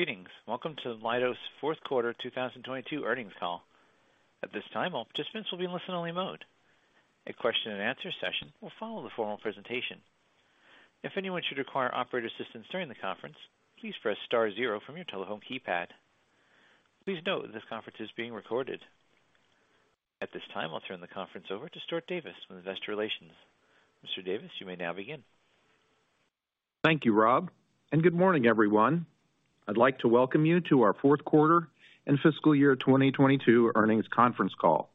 Greetings. Welcome to Leidos' fourth quarter 2022 earnings call. At this time, all participants will be in listen-only mode. A question-and-answer session will follow the formal presentation. If anyone should require operator assistance during the conference, please press star zero from your telephone keypad. Please note this conference is being recorded. At this time, I'll turn the conference over to Stuart Davis from Investor Relations. Mr. Davis, you may now begin. Thank you, Rob. Good morning, everyone. I'd like to welcome you to our fourth quarter and fiscal year 2022 earnings conference call.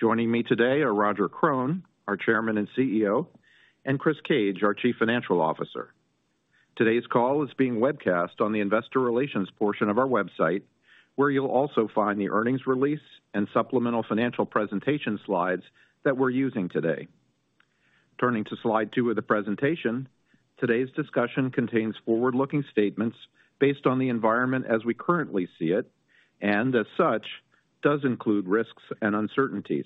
Joining me today are Roger Krone, our Chairman and CEO, and Chris Cage, our Chief Financial Officer. Today's call is being webcast on the investor relations portion of our website, where you'll also find the earnings release and supplemental financial presentation slides that we're using today. Turning to slide twtwo of the presentation, today's discussion contains forward-looking statements based on the environment as we currently see it and as such, does include risks and uncertainties.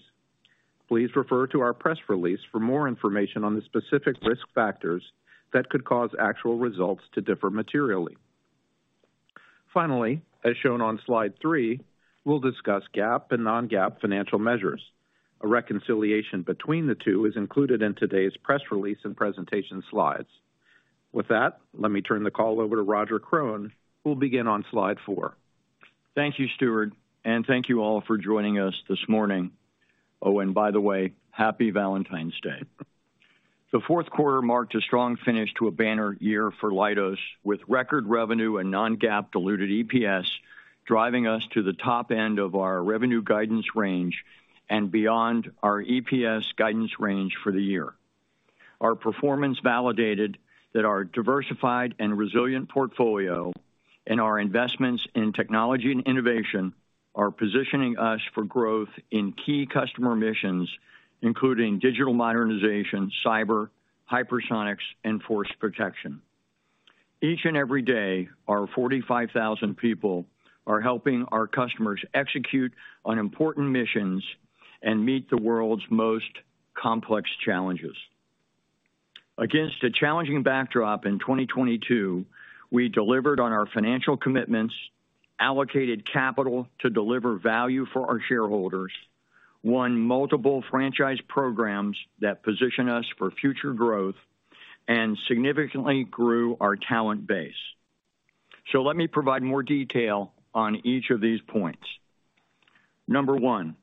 Please refer to our press release for more information on the specific risk factors that could cause actual results to differ materially. Finally, as shown on slide three, we'll discuss GAAP and non-GAAP financial measures. A reconciliation between the two is included in today's press release and presentation slides. With that, let me turn the call over to Roger Krone, who will begin on slide four. Thank you, Stuart, and thank you all for joining us this morning. Oh, and by the way, Happy Valentine's Day. The fourth quarter marked a strong finish to a banner year for Leidos, with record revenue and non-GAAP diluted EPS driving us to the top end of our revenue guidance range and beyond our EPS guidance range for the year. Our performance validated that our diversified and resilient portfolio and our investments in technology and innovation are positioning us for growth in key customer missions, including digital modernization, cyber, hypersonics, and force protection. Each and every day, our 45,000 people are helping our customers execute on important missions and meet the world's most complex challenges. Against a challenging backdrop in 2022, we delivered on our financial commitments, allocated capital to deliver value for our shareholders, won multiple franchise programs that position us for future growth, and significantly grew our talent base. Let me provide more detail on each of these points. Number one,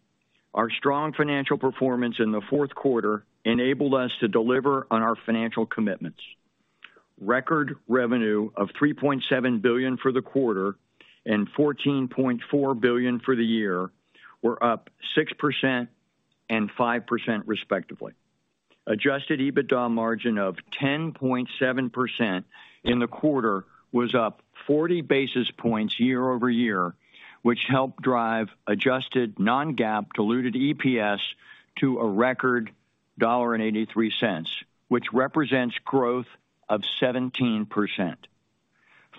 our strong financial performance in the fourth quarter enabled us to deliver on our financial commitments. Record revenue of $3.7 billion for the quarter and $14.4 billion for the year were up 6% and 5% respectively. Adjusted EBITDA margin of 10.7% in the quarter was up 40 basis points year-over-year, which helped drive adjusted non-GAAP diluted EPS to a record $1.83, which represents growth of 17%.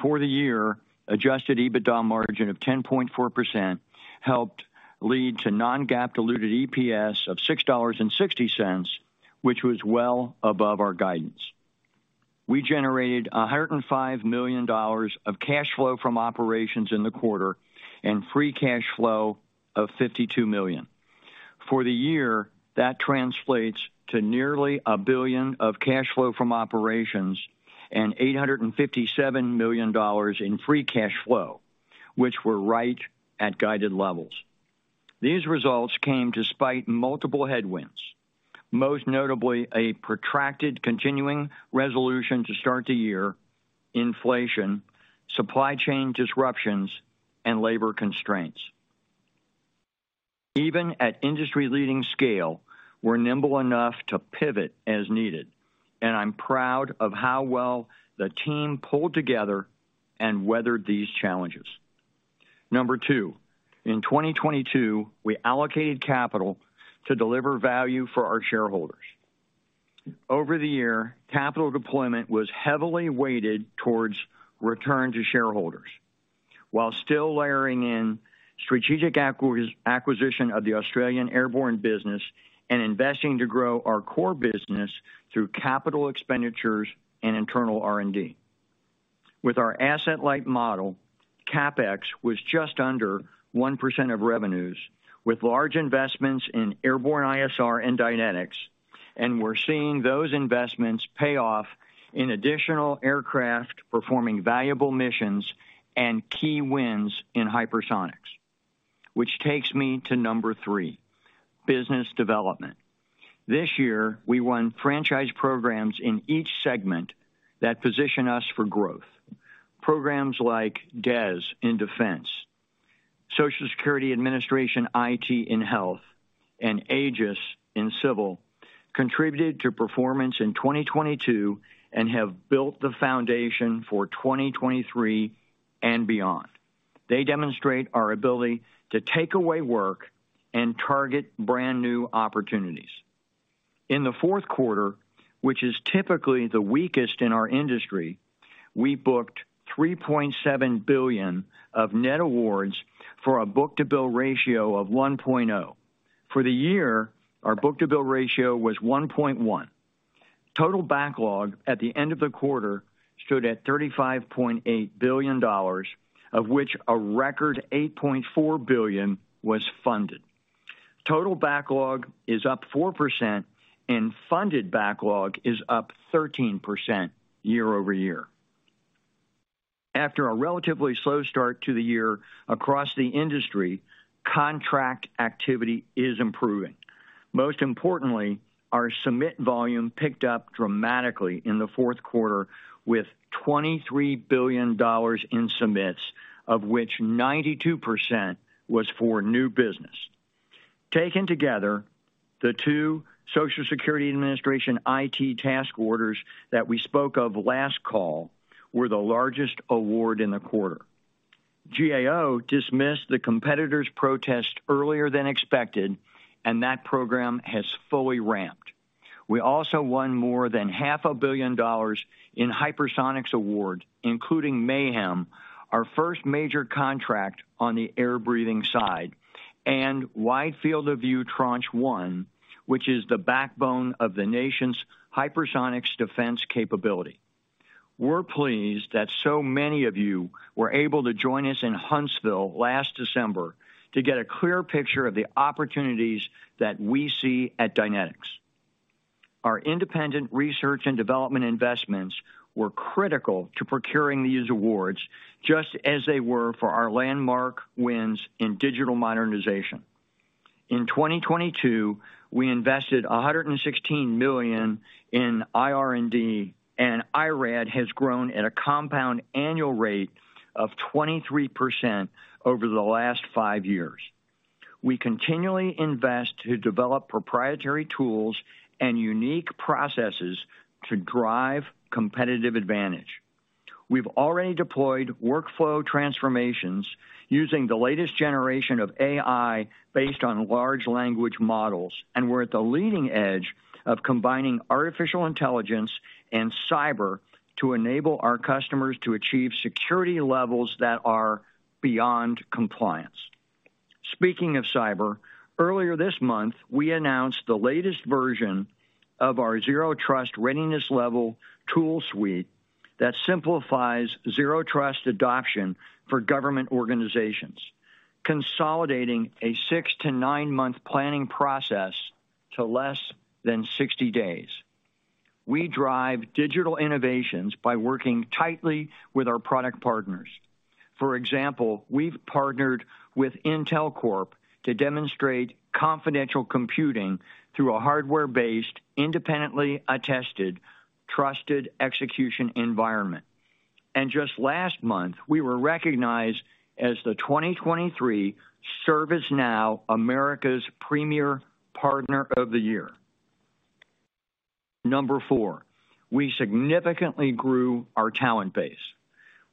For the year, adjusted EBITDA margin of 10.4% helped lead to non-GAAP diluted EPS of $6.60, which was well above our guidance. We generated $105 million of cash flow from operations in the quarter and free cash flow of $52 million. For the year, that translates to nearly $1 billion of cash flow from operations and $857 million in free cash flow, which were right at guided levels. These results came despite multiple headwinds, most notably a protracted continuing resolution to start the year, inflation, supply chain disruptions, and labor constraints. Even at industry-leading scale, we're nimble enough to pivot as needed, and I'm proud of how well the team pulled together and weathered these challenges. Number two, in 2022, we allocated capital to deliver value for our shareholders. Over the year, capital deployment was heavily weighted towards return to shareholders while still layering in strategic acquisition of the Australian airborne business and investing to grow our core business through capital expenditures and internal R&D. With our asset-light model, CapEx was just under 1% of revenues, with large investments in airborne ISR and Dynetics, and we're seeing those investments pay off in additional aircraft performing valuable missions and key wins in hypersonics. Which takes me to number 3, business development. This year, we won franchise programs in each segment that position us for growth. Programs like DES in Defense, Social Security Administration, IT in Health, and EGS in Civil contributed to performance in 2022 and have built the foundation for 2023 and beyond. They demonstrate our ability to take away work and target brand-new opportunities. In the fourth quarter, which is typically the weakest in our industry, we booked $3.7 billion of net awards for a book-to-bill ratio of 1.0. For the year, our book-to-bill ratio was 1.1. Total backlog at the end of the quarter stood at $35.8 billion, of which a record $8.4 billion was funded. Total backlog is up 4% and funded backlog is up 13% year-over-year. After a relatively slow start to the year across the industry, contract activity is improving. Most importantly, our submit volume picked up dramatically in the fourth quarter with $23 billion in submits, of which 92% was for new business. Taken together, the two Social Security Administration IT task orders that we spoke of last call were the largest award in the quarter. GAO dismissed the competitor's protest earlier than expected, and that program has fully ramped. We also won more than half a billion dollars in hypersonics awards, including Mayhem, our first major contract on the air-breathing side, and Wide Field of View Tranche 1, which is the backbone of the nation's hypersonics defense capability. We're pleased that so many of you were able to join us in Huntsville last December to get a clear picture of the opportunities that we see at Dynetics. Our independent research and development investments were critical to procuring these awards, just as they were for our landmark wins in digital modernization. In 2022, we invested $116 million in IR&D, and IRAD has grown at a compound annual rate of 23% over the last five years. We continually invest to develop proprietary tools and unique processes to drive competitive advantage. We've already deployed workflow transformations using the latest generation of AI based on large language models, and we're at the leading edge of combining artificial intelligence and cyber to enable our customers to achieve security levels that are beyond compliance. Speaking of cyber, earlier this month, we announced the latest version of our Zero Trust Readiness Level tool suite that simplifies zero trust adoption for government organizations, consolidating a 6-9 month planning process to less than 60 days. We drive digital innovations by working tightly with our product partners. For example, we've partnered with Intel Corp to demonstrate confidential computing through a hardware-based, independently attested, trusted execution environment. Just last month, we were recognized as the 2023 ServiceNow Americas Premier Partner of the Year. Number four, we significantly grew our talent base.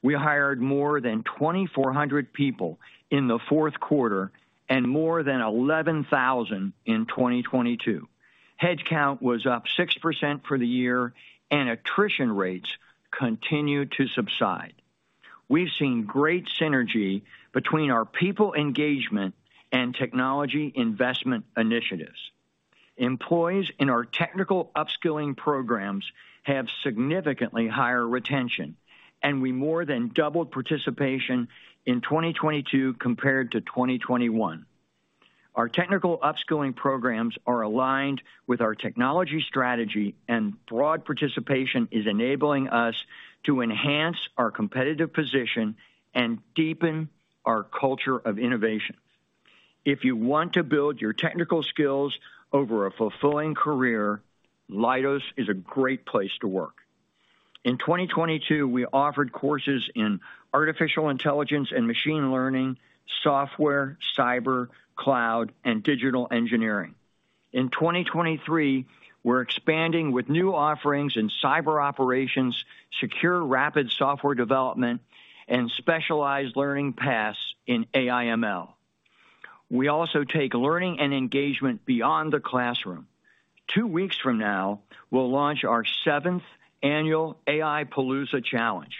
We hired more than 2,400 people in the fourth quarter and more than 11,000 in 2022. Headcount was up 6% for the year, and attrition rates continue to subside. We've seen great synergy between our people engagement and technology investment initiatives. Employees in our technical upskilling programs have significantly higher retention, and we more than doubled participation in 2022 compared to 2021. Our technical upskilling programs are aligned with our technology strategy, and broad participation is enabling us to enhance our competitive position and deepen our culture of innovation. If you want to build your technical skills over a fulfilling career, Leidos is a great place to work. In 2022, we offered courses in artificial intelligence and machine learning, software, cyber, cloud, and digital engineering. In 2023, we're expanding with new offerings in cyber operations, secure rapid software development, and specialized learning paths in AI/ML. Two weeks from now, we'll launch our 7th annual AI Palooza Challenge,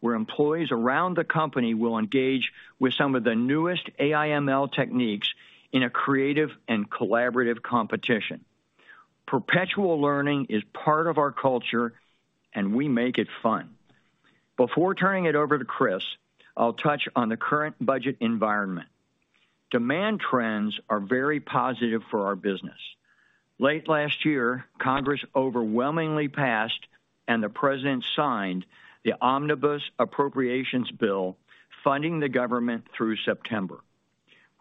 where employees around the company will engage with some of the newest AI/ML techniques in a creative and collaborative competition. Perpetual learning is part of our culture, and we make it fun. Before turning it over to Chris, I'll touch on the current budget environment. Demand trends are very positive for our business. Late last year, Congress overwhelmingly passed, and the President signed the omnibus appropriations bill funding the government through September.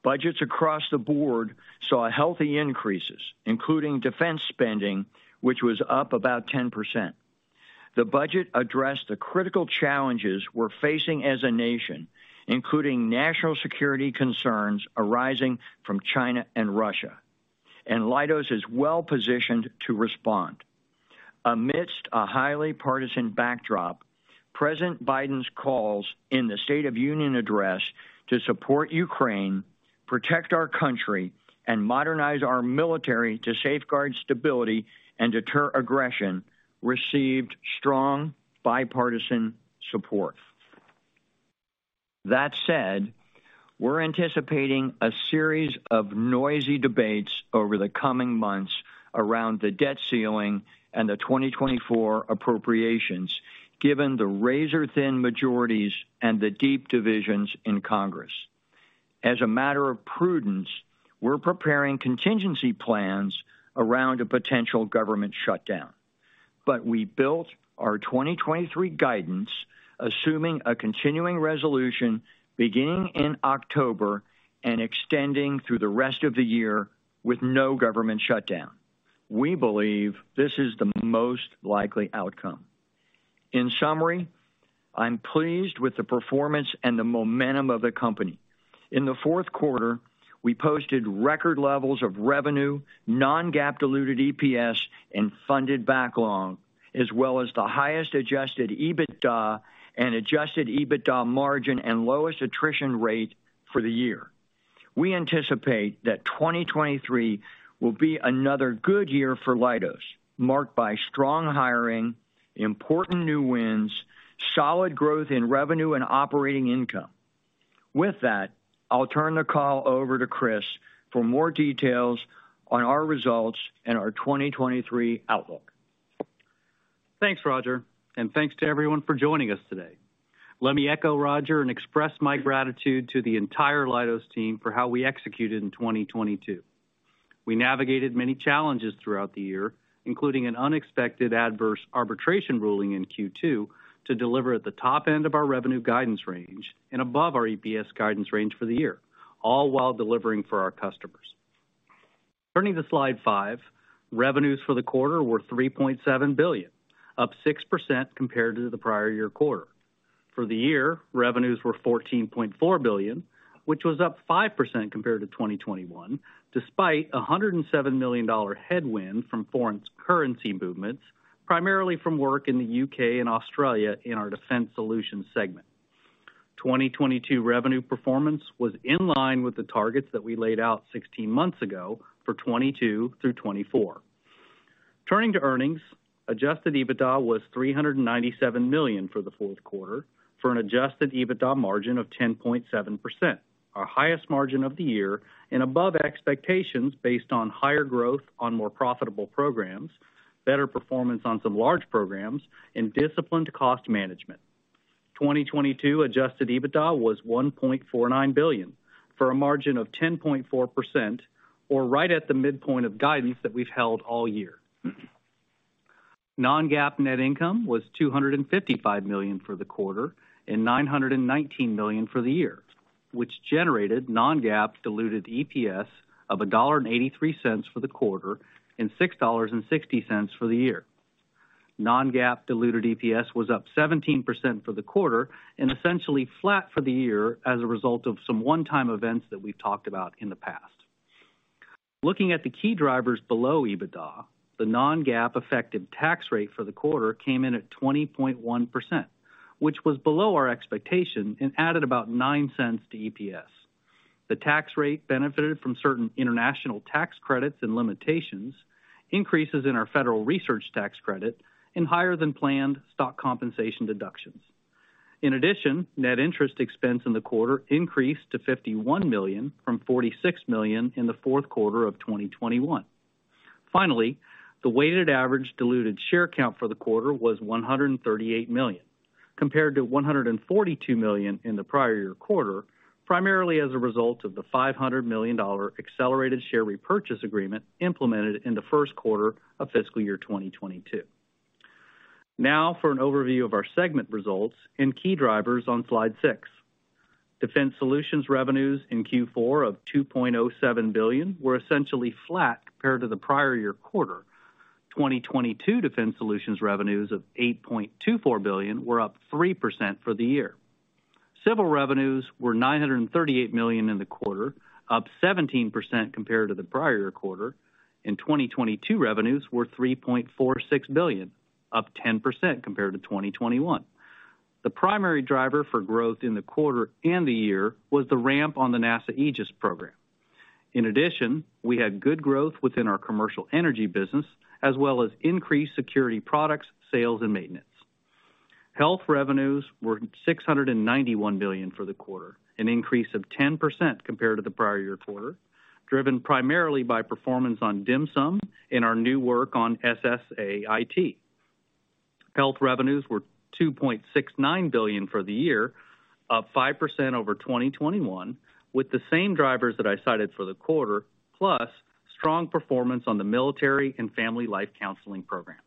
Budgets across the board saw healthy increases, including defense spending, which was up about 10%. The budget addressed the critical challenges we're facing as a nation, including national security concerns arising from China and Russia. Leidos is well-positioned to respond. Amidst a highly partisan backdrop, President Biden's calls in the State of Union address to support Ukraine, protect our country, and modernize our military to safeguard stability and deter aggression received strong bipartisan support. That said, we're anticipating a series of noisy debates over the coming months around the debt ceiling and the 2024 appropriations, given the razor-thin majorities and the deep divisions in Congress. As a matter of prudence, we're preparing contingency plans around a potential government shutdown. We built our 2023 guidance assuming a continuing resolution beginning in October and extending through the rest of the year with no government shutdown. We believe this is the most likely outcome. In summary, I'm pleased with the performance and the momentum of the company. In the fourth quarter, we posted record levels of revenue, non-GAAP diluted EPS, and funded backlog, as well as the highest adjusted EBITDA and adjusted EBITDA margin and lowest attrition rate for the year. We anticipate that 2023 will be another good year for Leidos, marked by strong hiring, important new wins, solid growth in revenue and operating income. With that, I'll turn the call over to Chris for more details on our results and our 2023 outlook. Thanks, Roger. Thanks to everyone for joining us today. Let me echo Roger and express my gratitude to the entire Leidos team for how we executed in 2022. We navigated many challenges throughout the year, including an unexpected adverse arbitration ruling in Q2, to deliver at the top end of our revenue guidance range and above our EPS guidance range for the year, all while delivering for our customers. Turning to slide five. Revenues for the quarter were $3.7 billion, up 6% compared to the prior year quarter. For the year, revenues were $14.4 billion, which was up 5% compared to 2021, despite a $107 million headwind from foreign currency movements, primarily from work in the U.K. and Australia in our Defense Solutions segment. 2022 revenue performance was in line with the targets that we laid out 16 months ago for 2022-2024. Turning to earnings. Adjusted EBITDA was $397 million for the fourth quarter for an adjusted EBITDA margin of 10.7%, our highest margin of the year and above expectations based on higher growth on more profitable programs, better performance on some large programs, and disciplined cost management. 2022 adjusted EBITDA was $1.49 billion, for a margin of 10.4%, or right at the midpoint of guidance that we've held all year. non-GAAP net income was $255 million for the quarter and $919 million for the year, which generated non-GAAP diluted EPS of $1.83 for the quarter and $6.60 for the year. Non-GAAP diluted EPS was up 17% for the quarter and essentially flat for the year as a result of some one-time events that we've talked about in the past. Looking at the key drivers below EBITDA, the non-GAAP effective tax rate for the quarter came in at 20.1%, which was below our expectation and added about $0.09 to EPS. The tax rate benefited from certain international tax credits and limitations, increases in our federal research tax credit and higher than planned stock compensation deductions. Net interest expense in the quarter increased to $51 million from $46 million in the fourth quarter of 2021. Finally, the weighted average diluted share count for the quarter was 138 million, compared to 142 million in the prior year quarter, primarily as a result of the $500 million accelerated share repurchase agreement implemented in the first quarter of fiscal year 2022. Now for an overview of our segment results and key drivers on slide six. Defense Solutions revenues in Q4 of $2.07 billion were essentially flat compared to the prior year quarter. 2022 Defense Solutions revenues of $8.24 billion were up 3% for the year. Civil revenues were $938 million in the quarter, up 17% compared to the prior year quarter. In 2022, revenues were $3.46 billion, up 10% compared to 2021. The primary driver for growth in the quarter and the year was the ramp on the NASA EGS program. We had good growth within our commercial energy business, as well as increased security products, sales and maintenance. Health revenues were $691 million for the quarter, an increase of 10% compared to the prior year quarter, driven primarily by performance on DHMSM and our new work on ITSSC. Health revenues were $2.69 billion for the year, up 5% over 2021, with the same drivers that I cited for the quarter, plus strong performance on the Military and Family Life Counseling program.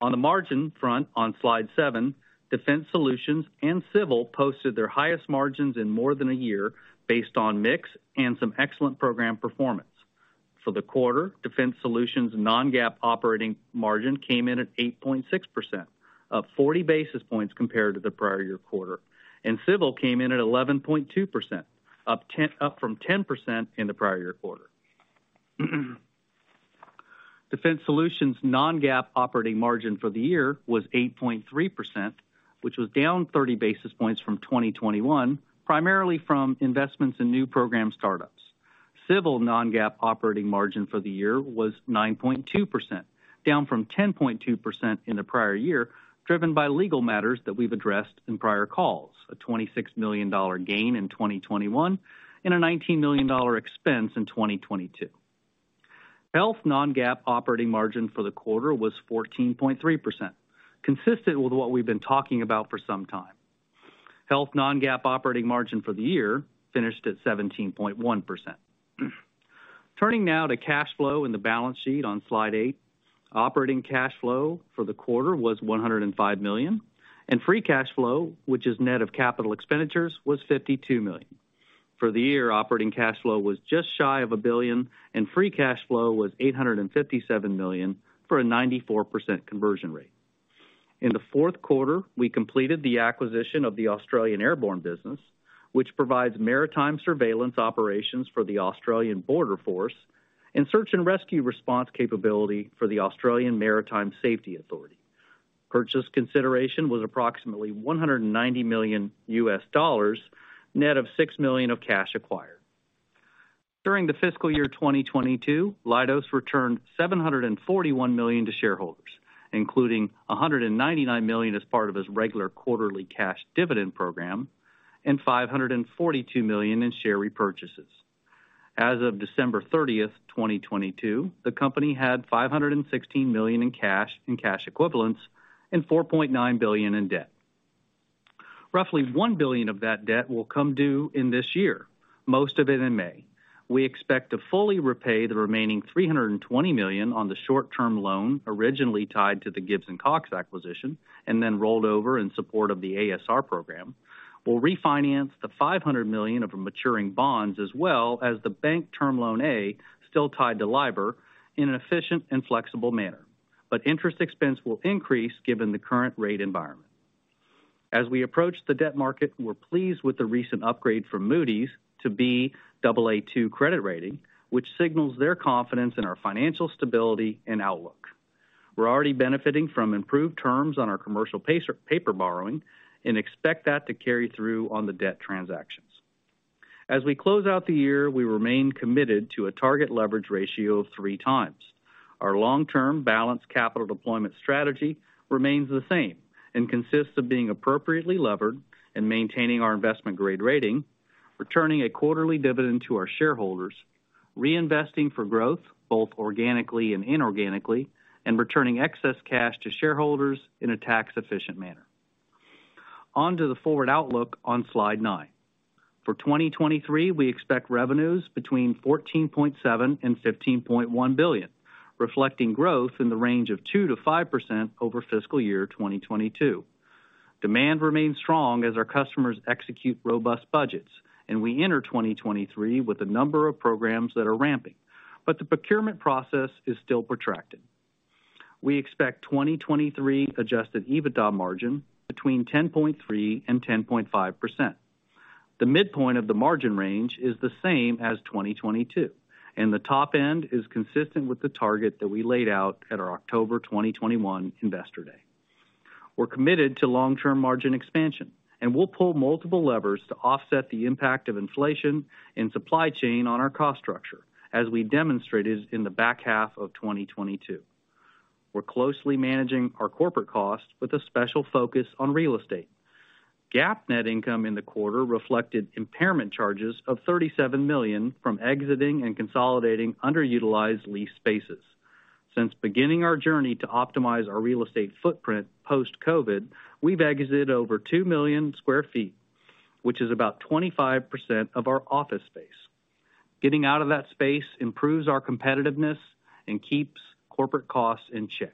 On the margin front on slide 7, Defense Solutions and Civil posted their highest margins in more than a year based on mix and some excellent program performance. For the quarter Defense Solutions non-GAAP operating margin came in at 8.6%, up 40 basis points compared to the prior year quarter. Civil came in at 11.2%, up from 10% in the prior year quarter. Defense Solutions non-GAAP operating margin for the year was 8.3%, which was down 30 basis points from 2021, primarily from investments in new program startups. Civil non-GAAP operating margin for the year was 9.2%, down from 10.2% in the prior year, driven by legal matters that we've addressed in prior calls. A $26 million gain in 2021 and a $19 million expense in 2022. Health non-GAAP operating margin for the quarter was 14.3%, consistent with what we've been talking about for some time. Health non-GAAP operating margin for the year finished at 17.1%. Turning now to cash flow in the balance sheet on slide eight. Operating cash flow for the quarter was $105 million, and free cash flow, which is net of capital expenditures, was $52 million. For the year, operating cash flow was just shy of $1 billion, and free cash flow was $857 million for a 94% conversion rate. In the fourth quarter, we completed the acquisition of the Australian airborne business, which provides maritime surveillance operations for the Australian Border Force and search and rescue response capability for the Australian Maritime Safety Authority. Purchase consideration was approximately $190 million, net of $6 million of cash acquired. During the fiscal year 2022, Leidos returned $741 million to shareholders, including $199 million as part of its regular quarterly cash dividend program and $542 million in share repurchases. As of December 30th, 2022, the company had $516 million in cash and cash equivalents and $4.9 billion in debt. Roughly $1 billion of that debt will come due in this year, most of it in May. We expect to fully repay the remaining $320 million on the short-term loan originally tied to the Gibbs & Cox acquisition and then rolled over in support of the ASR program. We'll refinance the $500 million of maturing bonds as well as the bank term loan A, still tied to LIBOR, in an efficient and flexible manner. Interest expense will increase given the current rate environment. As we approach the debt market, we're pleased with the recent upgrade from Moody's to Baa2 credit rating, which signals their confidence in our financial stability and outlook. We're already benefiting from improved terms on our commercial paper borrowing and expect that to carry through on the debt transactions. As we close out the year, we remain committed to a target leverage ratio of three times. Our long-term balanced capital deployment strategy remains the same and consists of being appropriately levered and maintaining our investment grade rating, returning a quarterly dividend to our shareholders, reinvesting for growth, both organically and inorganically, and returning excess cash to shareholders in a tax-efficient manner. On to the forward outlook on slide nine. For 2023, we expect revenues between $14.7 billion-$15.1 billion, reflecting growth in the range of 2%-5% over fiscal year 2022. Demand remains strong as our customers execute robust budgets, and we enter 2023 with a number of programs that are ramping, but the procurement process is still protracted. We expect 2023 adjusted EBITDA margin between 10.3%-10.5%. The midpoint of the margin range is the same as 2022, and the top end is consistent with the target that we laid out at our October 2021 Investor Day. We're committed to long-term margin expansion, and we'll pull multiple levers to offset the impact of inflation and supply chain on our cost structure, as we demonstrated in the back half of 2022. We're closely managing our corporate costs with a special focus on real estate. GAAP net income in the quarter reflected impairment charges of $37 million from exiting and consolidating underutilized lease spaces. Since beginning our journey to optimize our real estate footprint post-COVID, we've exited over 2 million sq ft, which is about 25% of our office space. Getting out of that space improves our competitiveness and keeps corporate costs in check.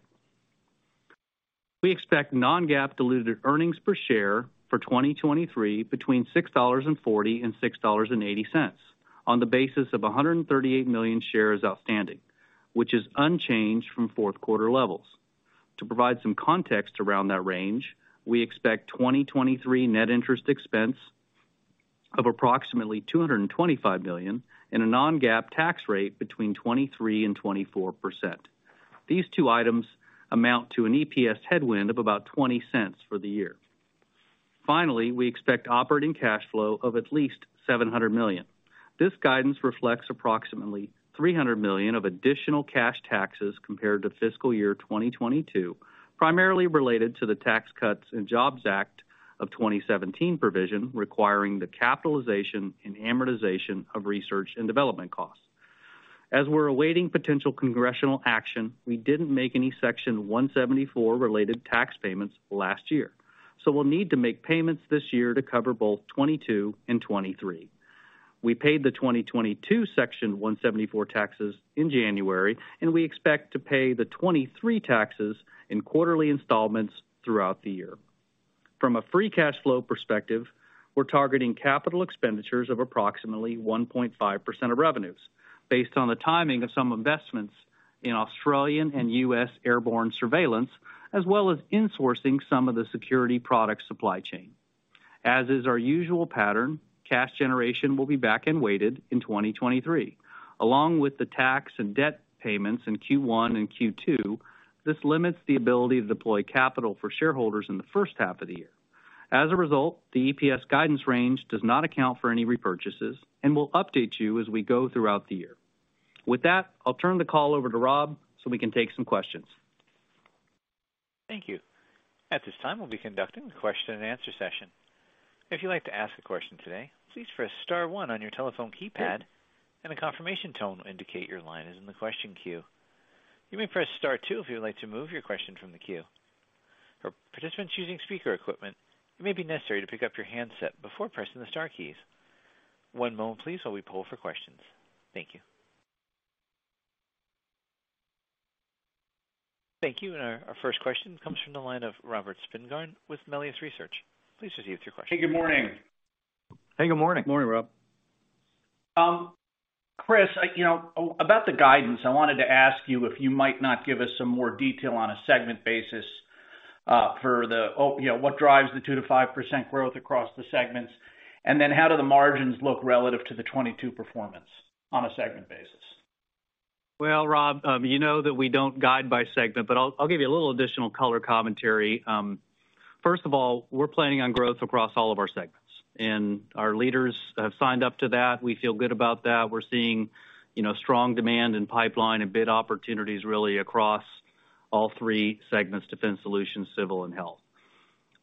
We expect non-GAAP diluted earnings per share for 2023 between $6.40 and $6.80 on the basis of 138 million shares outstanding, which is unchanged from fourth quarter levels. To provide some context around that range, we expect 2023 net interest expense of approximately $225 million and a non-GAAP tax rate between 23% and 24%. These two items amount to an EPS headwind of about $0.20 for the year. Finally, we expect operating cash flow of at least $700 million. This guidance reflects approximately $300 million of additional cash taxes compared to fiscal year 2022, primarily related to the Tax Cuts and Jobs Act of 2017 provision requiring the capitalization and amortization of research and development costs. As we're awaiting potential congressional action, we didn't make any Section 174 related tax payments last year, so we'll need to make payments this year to cover both 2022 and 2023. We paid the 2022 Section 174 taxes in January, and we expect to pay the 2023 taxes in quarterly installments throughout the year. From a free cash flow perspective, we're targeting capital expenditures of approximately 1.5% of revenues based on the timing of some investments in Australian and U.S. airborne surveillance, as well as insourcing some of the security product supply chain. As is our usual pattern, cash generation will be back-end weighted in 2023. Along with the tax and debt payments in Q1 and Q2, this limits the ability to deploy capital for shareholders in the first half of the year. As a result, the EPS guidance range does not account for any repurchases, and we'll update you as we go throughout the year. With that, I'll turn the call over to Rob so we can take some questions. Thank you. At this time, we'll be conducting the question and answer session. If you'd like to ask a question today, please press star one on your telephone keypad, and a confirmation tone will indicate your line is in the question queue. You may press Star two if you'd like to move your question from the queue. For participants using speaker equipment, it may be necessary to pick up your handset before pressing the star keys. One moment please, while we poll for questions. Thank you. Thank you. Our first question comes from the line of Robert Spingarn with Melius Research. Please proceed with your question. Hey, good morning. Hey, good morning. Good morning, Rob. Chris you know about the guidance, I wanted to ask you if you might not give us some more detail on a segment basis, for the you know what drives the 2%-5% growth across the segments, and then how do the margins look relative to the 22 performance on a segment basis? Well, Rob you know that we don't guide by segment, but I'll give you a little additional color commentary. First of all, we're planning on growth across all of our segments, and our leaders have signed up to that. We feel good about that. We're seeing you know strong demand in pipeline and bid opportunities really across all three segments, Defense Solutions, Civil, and Health.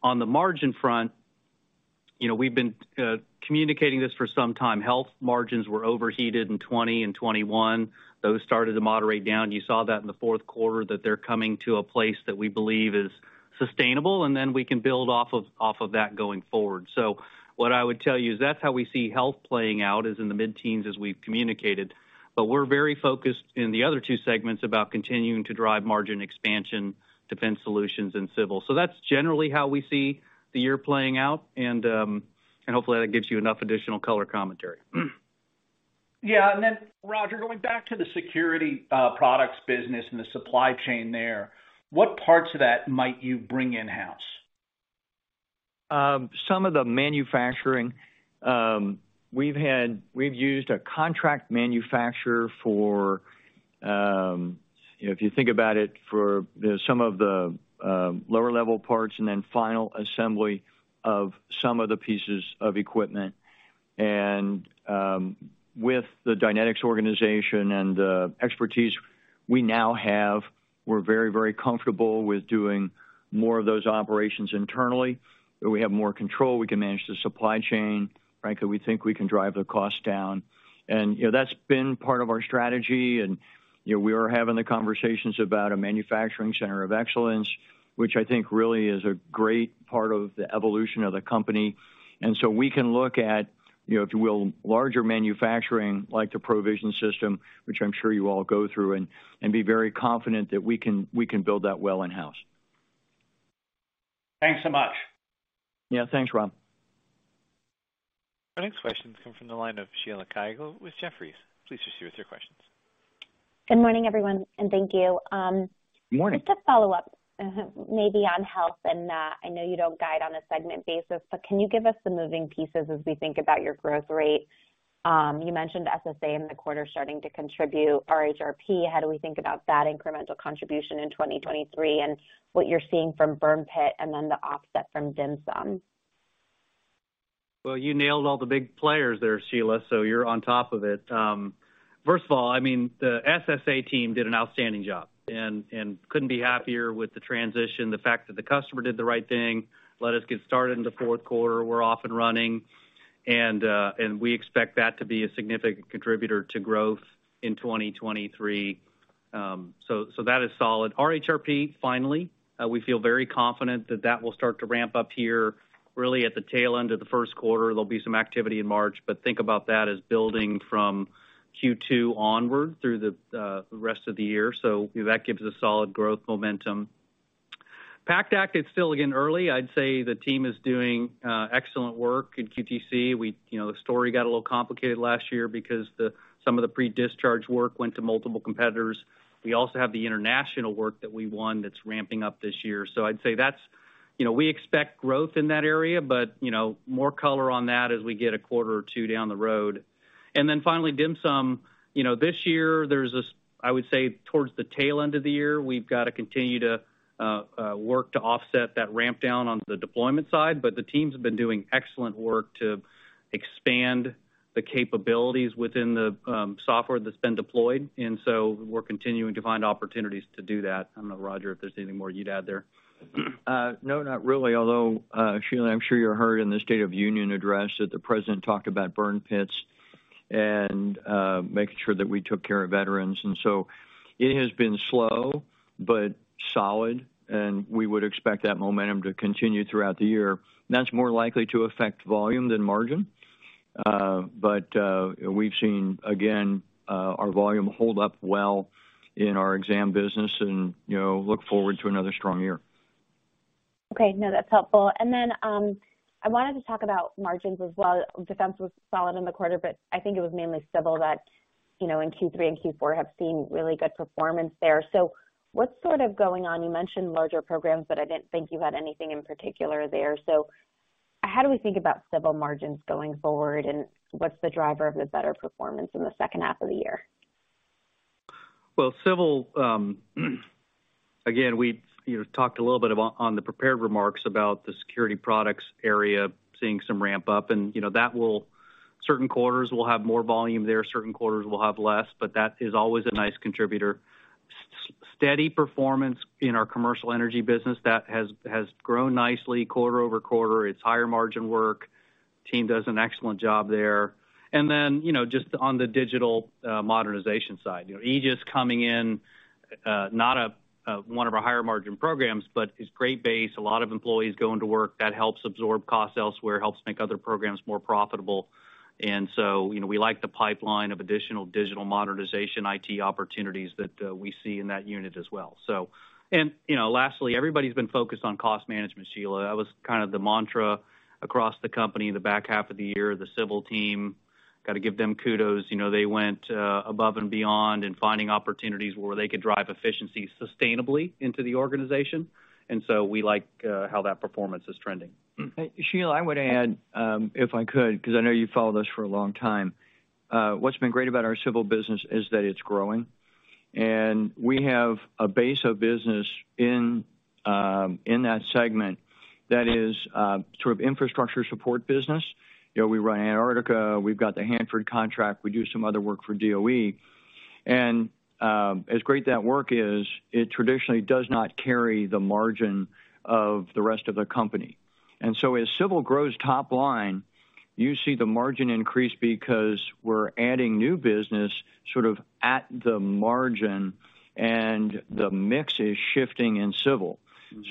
On the margin front you know we've been communicating this for some time. Health margins were overheated in 2020 and 2021. Those started to moderate down. You saw that in the fourth quarter that they're coming to a place that we believe is sustainable, and then we can build off of that going forward. What I would tell you is that's how we see Health playing out, is in the mid-teens, as we've communicated. We're very focused in the other two segments about continuing to drive margin expansion, Defense Solutions and Civil. That's generally how we see the year playing out. Hopefully, that gives you enough additional color commentary. Yeah. Roger, going back to the security, products business and the supply chain there, what parts of that might you bring in-house? Some of the manufacturing, we've used a contract manufacturer for you know if you think about it, for some of the lower level parts and then final assembly of some of the pieces of equipment. With the Dynetics organization and the expertise we now have, we're very, very comfortable with doing more of those operations internally, where we have more control, we can manage the supply chain, frankly, we think we can drive the cost down. You know that's been part of our strategy. You know we are having the conversations about a manufacturing center of excellence, which I think really is a great part of the evolution of the company. We can look at you know if you will, larger manufacturing like the ProVision system, which I'm sure you all go through, and be very confident that we can build that well in-house. Thanks so much. Yeah. Thanks, Rob. Our next question comes from the line of Sheila Kahyaoglu with Jefferies. Please proceed with your questions. Good morning, everyone, and thank you. Good morning. Just a follow-up, maybe on health, and I know you don't guide on a segment basis, but can you give us the moving pieces as we think about your growth rate? You mentioned SSA in the quarter starting to contribute RHRP. How do we think about that incremental contribution in 2023 and what you're seeing from burn pit and then the offset from DHMSM? Well, you nailed all the big players there, Sheila, so you're on top of it. First of all, I mean, the SSA team did an outstanding job and couldn't be happier with the transition. The fact that the customer did the right thing, let us get started in the fourth quarter, we're off and running, and we expect that to be a significant contributor to growth in 2023. So that is solid. RHRP, finally, we feel very confident that that will start to ramp up here really at the tail end of the first quarter. There'll be some activity in March, but think about that as building from Q2 onward through the rest of the year. That gives a solid growth momentum. PACT Act, it's still, again, early. I'd say the team is doing excellent work in QTC. You know, the story got a little complicated last year because some of the pre-discharge work went to multiple competitors. We also have the international work that we won that's ramping up this year. I'd say that's, you know, we expect growth in that area, but you know more color on that as we get a quarter or two down the road. Finally, DHMSM. You know this year there's I would say, towards the tail end of the year, we've got to continue to work to offset that ramp down on the deployment side. The teams have been doing excellent work to expand the capabilities within the software that's been deployed, we're continuing to find opportunities to do that. I don't know, Roger, if there's anything more you'd add there. No, not really. Although, Sheila, I'm sure you heard in the State of Union address that the President talked about burn pits and making sure that we took care of veterans. It has been slow but solid, and we would expect that momentum to continue throughout the year. That's more likely to affect volume than margin. We've seen, again, our volume hold up well in our exam business and you know look forward to another strong year. Okay. No, that's helpful. I wanted to talk about margins as well. Defense was solid in the quarter, but I think it was mainly Civil that you know in Q3 and Q4 have seen really good performance there. What's sort of going on? You mentioned larger programs, but I didn't think you had anything in particular there. How do we think about Civil margins going forward, and what's the driver of the better performance in the second half of the year? Civil, again, we you know talked a little bit about on the prepared remarks about the security products area seeing some ramp up and you know that will certain quarters will have more volume there, certain quarters will have less, but that is always a nice contributor. Steady performance in our commercial energy business that has grown nicely quarter-quarter. It's higher margin work. Team does an excellent job there. You know just on the digital modernization side. You know, EGA coming in, not a one of our higher margin programs, but it's great base. A lot of employees going to work that helps absorb costs elsewhere, helps make other programs more profitable. You know, we like the pipeline of additional digital modernization IT opportunities that we see in that unit as well. You know, lastly, everybody's been focused on cost management, Sheila. That was kind of the mantra across the company in the back half of the year. The Civil team gotta give them kudos. You know, they went above and beyond in finding opportunities where they could drive efficiency sustainably into the organization. We like how that performance is trending. Sheila, I would add, if I could, because I know you've followed us for a long time. What's been great about our Civil business is that it's growing, and we have a base of business in that segment that is sort of infrastructure support business. You know, we run Antarctica, we've got the Hanford contract, we do some other work for DOE. As great that work is, it traditionally does not carry the margin of the rest of the company. As Civil grows top line, you see the margin increase because we're adding new business sort of at the margin, and the mix is shifting in Civil.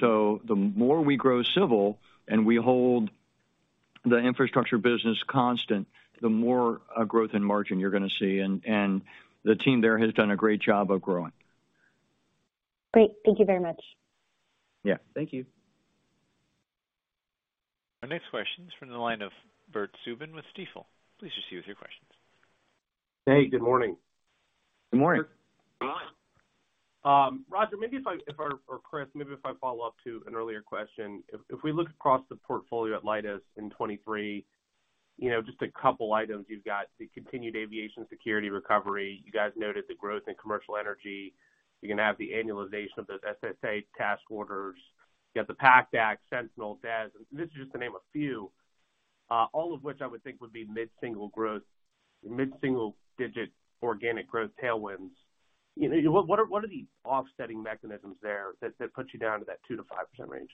The more we grow Civil and we hold the infrastructure business constant, the more growth in margin you're gonna see. The team there has done a great job of growing. Great. Thank you very much. Yeah. Thank you. Our next question is from the line of Bert Subin with Stifel. Please proceed with your questions. Hey, good morning. Good morning. Good morning. Roger, or Chris, maybe if I follow up to an earlier question. If we look across the portfolio at Leidos in 2023 you know just a couple items, you've got the continued aviation security recovery. You guys noted the growth in commercial energy. You're gonna have the annualization of those SSA task orders. You have the PACT Act, Sentinel, DES, and this is just to name a few, all of which I would think would be mid-single growth, mid-single digit organic growth tailwinds. You know, what are the offsetting mechanisms there that puts you down to that 2%-5% range?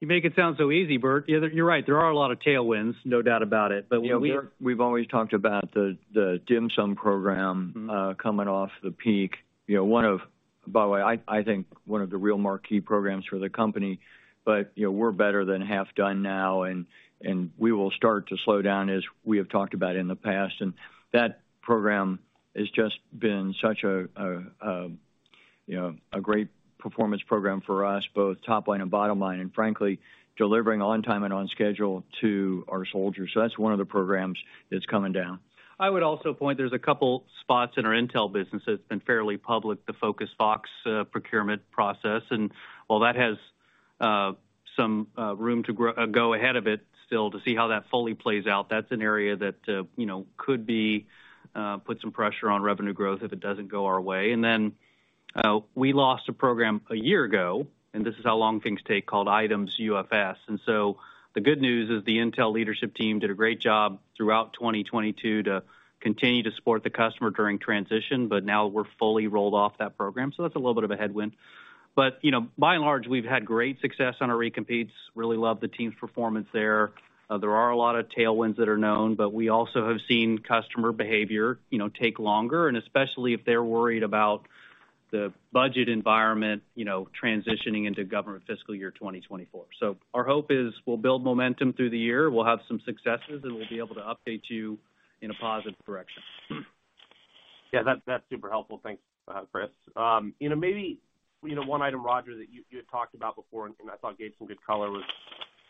You make it sound so easy, Bert. Yeah, you're right. There are a lot of tailwinds, no doubt about it. Yeah. We've always talked about the DHMSM program coming off the peak. You know, one of. By the way, I think one of the real marquee programs for the company. You know we're better than half done now, and we will start to slow down as we have talked about in the past. That program has just been such a, you know a great performance program for us, both top line and bottom line, and frankly, delivering on time and on schedule to our soldiers. That's one of the programs that's coming down. I would also point, there's a couple spots in our intel business that's been fairly public, the Focus Fox procurement process, and while that has some room to go ahead of it still to see how that fully plays out, that's an area that you know could be put some pressure on revenue growth if it doesn't go our way. We lost a program a year ago, and this is how long things take, called ITEMS UFS. The good news is the intel leadership team did a great job throughout 2022 to continue to support the customer during transition, but now we're fully rolled off that program. That's a little bit of a headwind. You know, by and large, we've had great success on our recompetes. Really love the team's performance there. There are a lot of tailwinds that are known, we also have seen customer behavior, you know, take longer, and especially if they're worried about the budget environment, you know, transitioning into government fiscal year 2024. Our hope is we'll build momentum through the year. We'll have some successes, and we'll be able to update you in a positive direction. Yeah. That's super helpful. Thanks, Chris. You know, maybe, you know, one item, Roger, that you had talked about before and I thought gave some good color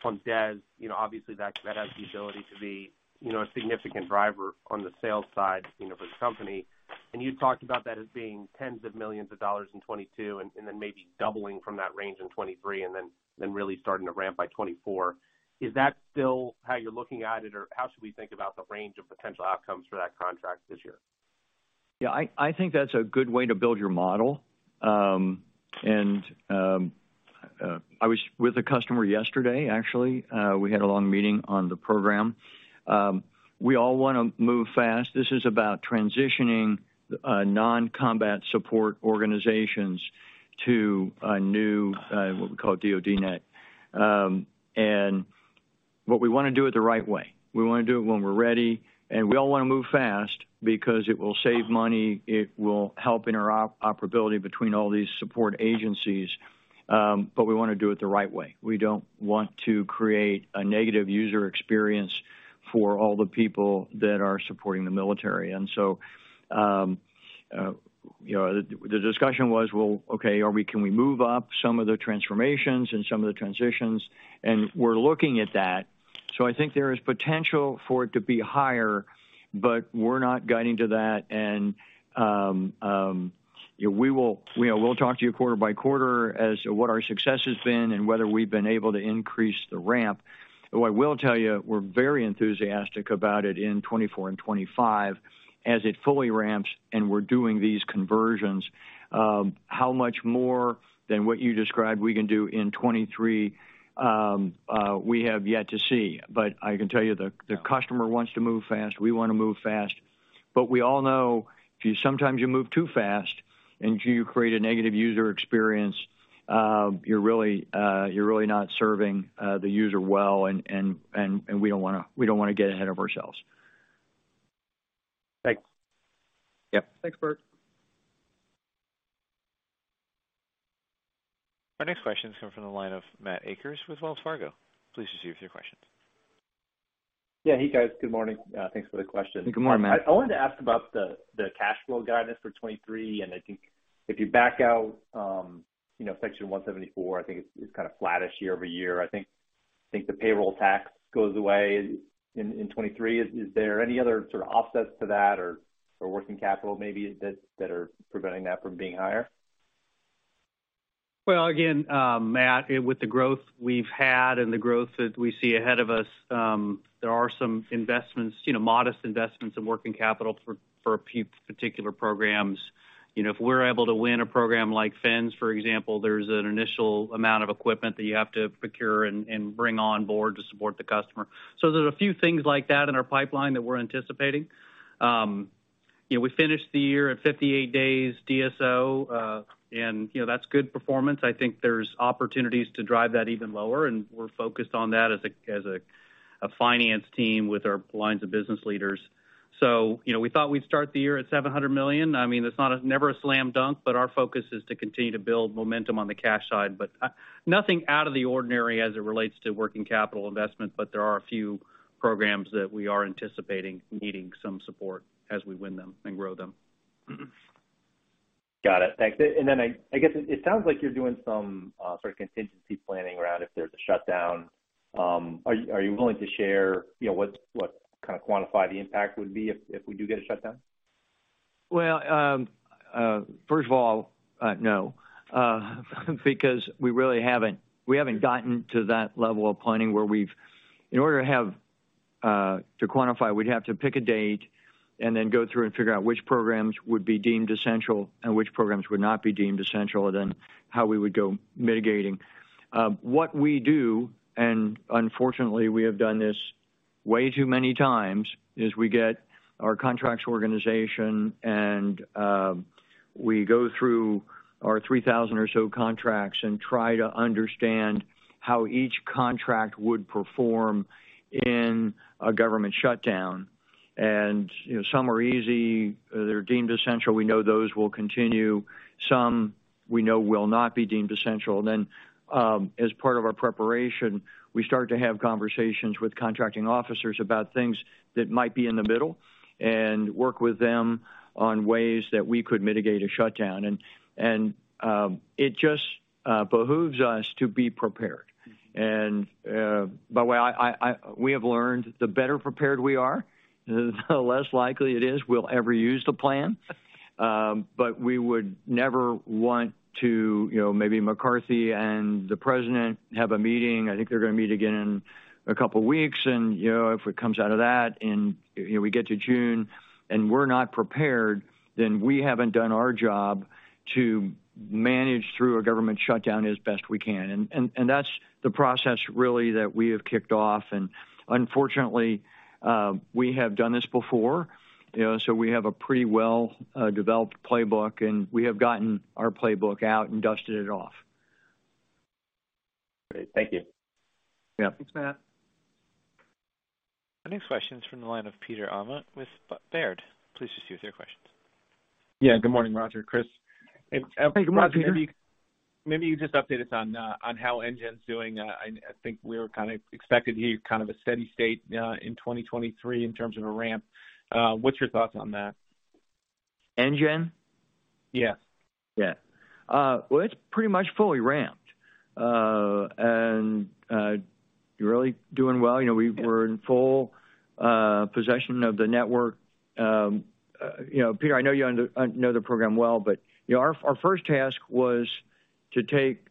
was on DES. You know, obviously that has the ability to be, you know, a significant driver on the sales side, you know, for the company. You talked about that as being tens of millions of dollars in 2022 and then maybe doubling from that range in 2023 and then really starting to ramp by 2024. Is that still how you're looking at it? Or how should we think about the range of potential outcomes for that contract this year? Yeah. I think that's a good way to build your model. I was with a customer yesterday, actually. We had a long meeting on the program. We all wanna move fast. This is about transitioning non-combat support organizations to a new, what we call DoDNet. We wanna do it the right way. We wanna do it when we're ready, and we all wanna move fast because it will save money. It will help interoperability between all these support agencies, but we wanna do it the right way. We don't want to create a negative user experience for all the people that are supporting the military. You know, the discussion was, well, okay, can we move up some of the transformations and some of the transitions? We're looking at that. I think there is potential for it to be higher, but we're not guiding to that. We will, we'll talk to you quarter by quarter as to what our success has been and whether we've been able to increase the ramp. What I will tell you, we're very enthusiastic about it in 2024 and 2025 as it fully ramps and we're doing these conversions. How much more than what you described we can do in 2023, we have yet to see. I can tell you the customer wants to move fast, we want to move fast. We all know if you sometimes you move too fast and you create a negative user experience, you're really not serving the user well, and we don't wanna get ahead of ourselves. Thanks. Yep. Thanks, Bert. Our next question is coming from the line of Matt Akers with Wells Fargo. Please proceed with your questions. Yeah. Hey, guys. Good morning. Thanks for the question. Good morning, Matt. I wanted to ask about the cash flow guidance for '23. I think if you back out, you know, Section 174, I think it's kind of flattish year-over-year. I think the payroll tax goes away in '23. Is there any other sort of offsets to that or working capital maybe that are preventing that from being higher? Again, Matt, with the growth we've had and the growth that we see ahead of us, there are some investments, you know, modest investments in working capital for a few particular programs. You know, if we're able to win a program like FENS, for example, there's an initial amount of equipment that you have to procure and bring on board to support the customer. There's a few things like that in our pipeline that we're anticipating. You know, we finished the year at 58 days DSO, and, you know, that's good performance. I think there's opportunities to drive that even lower, and we're focused on that as a finance team with our lines of business leaders. You know, we thought we'd start the year at $700 million. I mean, it's not never a slam dunk, but our focus is to continue to build momentum on the cash side. Nothing out of the ordinary as it relates to working capital investment, but there are a few programs that we are anticipating needing some support as we win them and grow them. Got it. Thanks. I guess it sounds like you're doing some, sort of contingency planning around if there's a shutdown. Are you willing to share, you know, what kind of quantify the impact would be if we do get a shutdown? Well, first of all, no, because we really haven't. We haven't gotten to that level of planning where we've in order to have to quantify, we'd have to pick a date and then go through and figure out which programs would be deemed essential and which programs would not be deemed essential, and then how we would go mitigating. What we do, and unfortunately, we have done this way too many times, is we get our contracts organization and, we go through our 3,000 or so contracts and try to understand how each contract would perform in a government shutdown. You know, some are easy. They're deemed essential. We know those will continue. Some we know will not be deemed essential. As part of our preparation, we start to have conversations with contracting officers about things that might be in the middle and work with them on ways that we could mitigate a shutdown. It just behooves us to be prepared. By the way, we have learned the better prepared we are, the less likely it is we'll ever use the plan. We would never want to, you know, maybe McCarthy and the President have a meeting. I think they're going to meet again in two weeks. You know, if it comes out of that and, you know, we get to June and we're not prepared, then we haven't done our job to manage through a government shutdown as best we can. That's the process really that we have kicked off. Unfortunately, we have done this before, you know, so we have a pretty well developed playbook, and we have gotten our playbook out and dusted it off. Great. Thank you. Yeah. Thanks, Matt. Our next question is from the line of Peter Arment with Baird. Please proceed with your questions. Yeah. Good morning, Roger, Chris. Hey, good morning, Peter. Maybe you just update us on how Engine doing. I think we're kinda expected to hear kind of a steady state in 2023 in terms of a ramp. What's your thoughts on that? Engine? Yeah. Yeah. Well, it's pretty much fully ramped and really doing well. You know, we were in full possession of the network. You know, Peter, I know you know the program well, but, you know, our first task was to take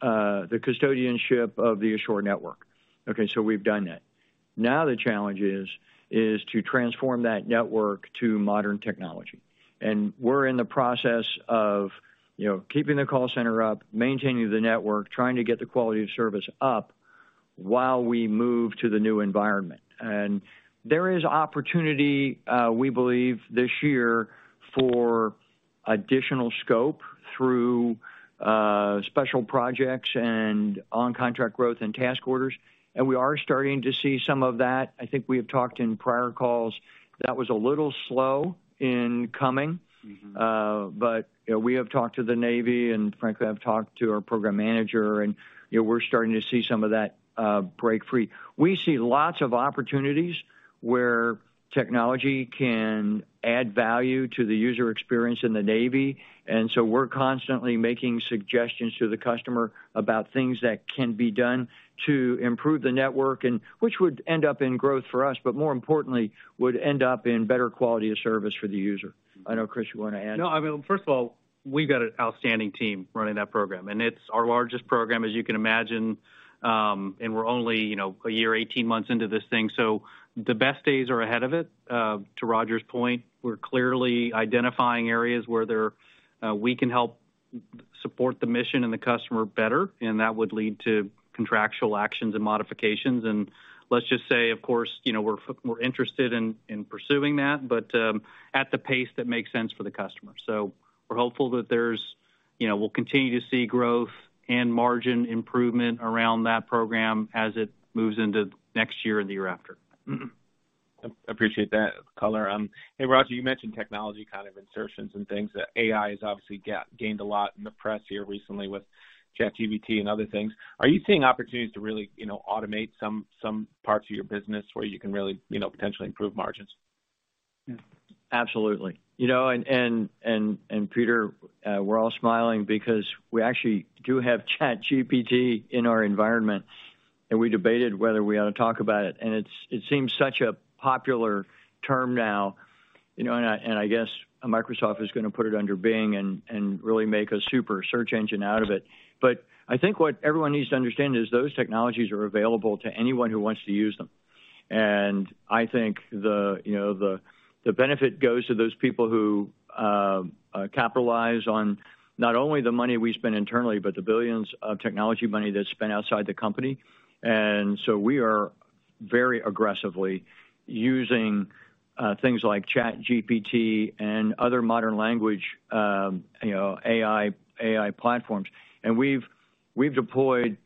the custodianship of the ashore network. Okay, we've done that. Now, the challenge is to transform that network to modern technology. We're in the process of, you know, keeping the call center up, maintaining the network, trying to get the quality of service up while we move to the new environment. There is opportunity, we believe this year for additional scope through special projects and on contract growth and task orders. We are starting to see some of that. I think we have talked in prior calls that was a little slow in coming. Mm-hmm. You know, we have talked to the Navy, and frankly, I've talked to our program manager and, you know, we're starting to see some of that break free. We see lots of opportunities where technology can add value to the user experience in the Navy. We're constantly making suggestions to the customer about things that can be done to improve the network and which would end up in growth for us, but more importantly, would end up in better quality of service for the user. I know, Chris, you want to add? No, I mean, first of all, we've got an outstanding team running that program, and it's our largest program, as you can imagine, we're only, you know, a year, 18 months into this thing, so the best days are ahead of it. To Roger's point, we're clearly identifying areas where there, we can help support the mission and the customer better, and that would lead to contractual actions and modifications. Let's just say, of course, you know, we're interested in pursuing that, but, at the pace that makes sense for the customer. We're hopeful that there's, you know, we'll continue to see growth and margin improvement around that program as it moves into next year and the year after. Appreciate that color. Hey, Roger, you mentioned technology kind of insertions and things that AI has obviously gained a lot in the press here recently with ChatGPT and other things. Are you seeing opportunities to really, you know, automate some parts of your business where you can really, you know, potentially improve margins? Absolutely. You know, Peter, we're all smiling because we actually do have ChatGPT in our environment, and we debated whether we ought to talk about it. It seems such a popular term now, you know, I guess Microsoft is gonna put it under Bing and really make a super search engine out of it. I think what everyone needs to understand is those technologies are available to anyone who wants to use them. I think the, you know, the benefit goes to those people who capitalize on not only the money we spend internally, but the billions of technology money that's spent outside the company. So we are very aggressively using things like ChatGPT and other modern language, you know, AI platforms. We've deployed,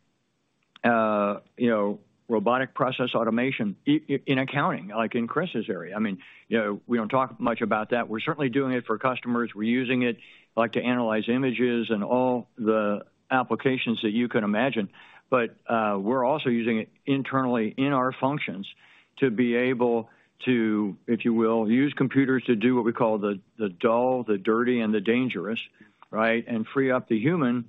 you know, robotic process automation in accounting, like in Chris's area. I mean, you know, we don't talk much about that. We're certainly doing it for customers. We're using it, like, to analyze images and all the applications that you can imagine. We're also using it internally in our functions to be able to, if you will, use computers to do what we call the dull, the dirty, and the dangerous, right? Free up the human,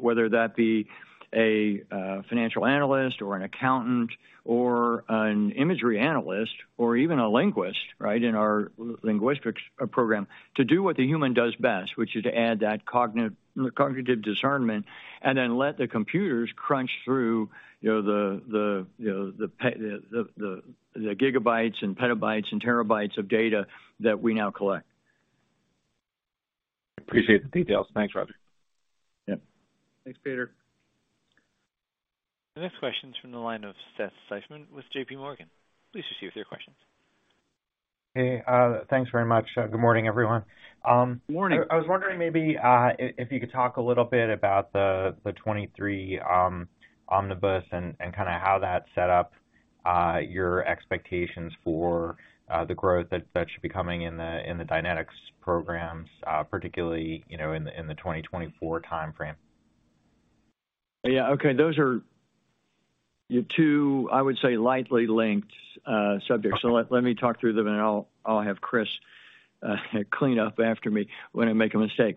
whether that be a financial analyst or an accountant or an imagery analyst or even a linguist, right, in our linguistics program, to do what the human does best, which is to add that cognitive discernment and then let the computers crunch through, you know, the gigabytes and petabytes and terabytes of data that we now collect. Appreciate the details. Thanks, Roger. Yeah. Thanks, Peter. The next question is from the line of Seth Seifman with J.P.Morgan. Please proceed with your questions. Hey, thanks very much. Good morning, everyone. Good morning. I was wondering maybe, if you could talk a little bit about the 2023 omnibus and kind of how that set up your expectations for the growth that should be coming in the Dynetics programs, particularly, you know, in the 2024 timeframe. Yeah, okay. Those are two, I would say, lightly linked subjects. Let me talk through them, and I'll have Chris clean up after me when I make a mistake.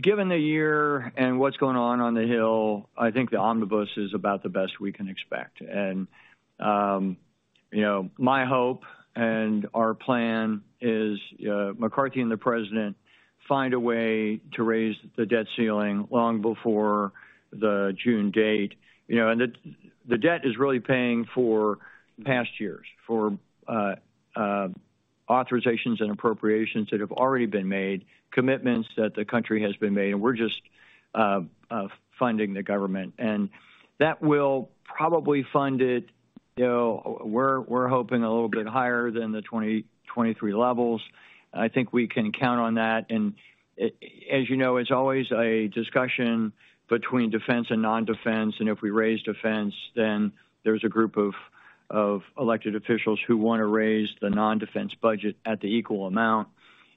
Given the year and what's going on on the Hill, I think the omnibus is about the best we can expect. You know, my hope and our plan is McCarthy and the President find a way to raise the debt ceiling long before the June date. You know, the debt is really paying for past years, for authorizations and appropriations that have already been made, commitments that the country has been made, and we're just funding the government. That will probably fund it, you know, we're hoping a little bit higher than the 2023 levels. I think we can count on that. As you know, it's always a discussion between defense and non-defense. If we raise defense, then there's a group of elected officials who wanna raise the non-defense budget at the equal amount.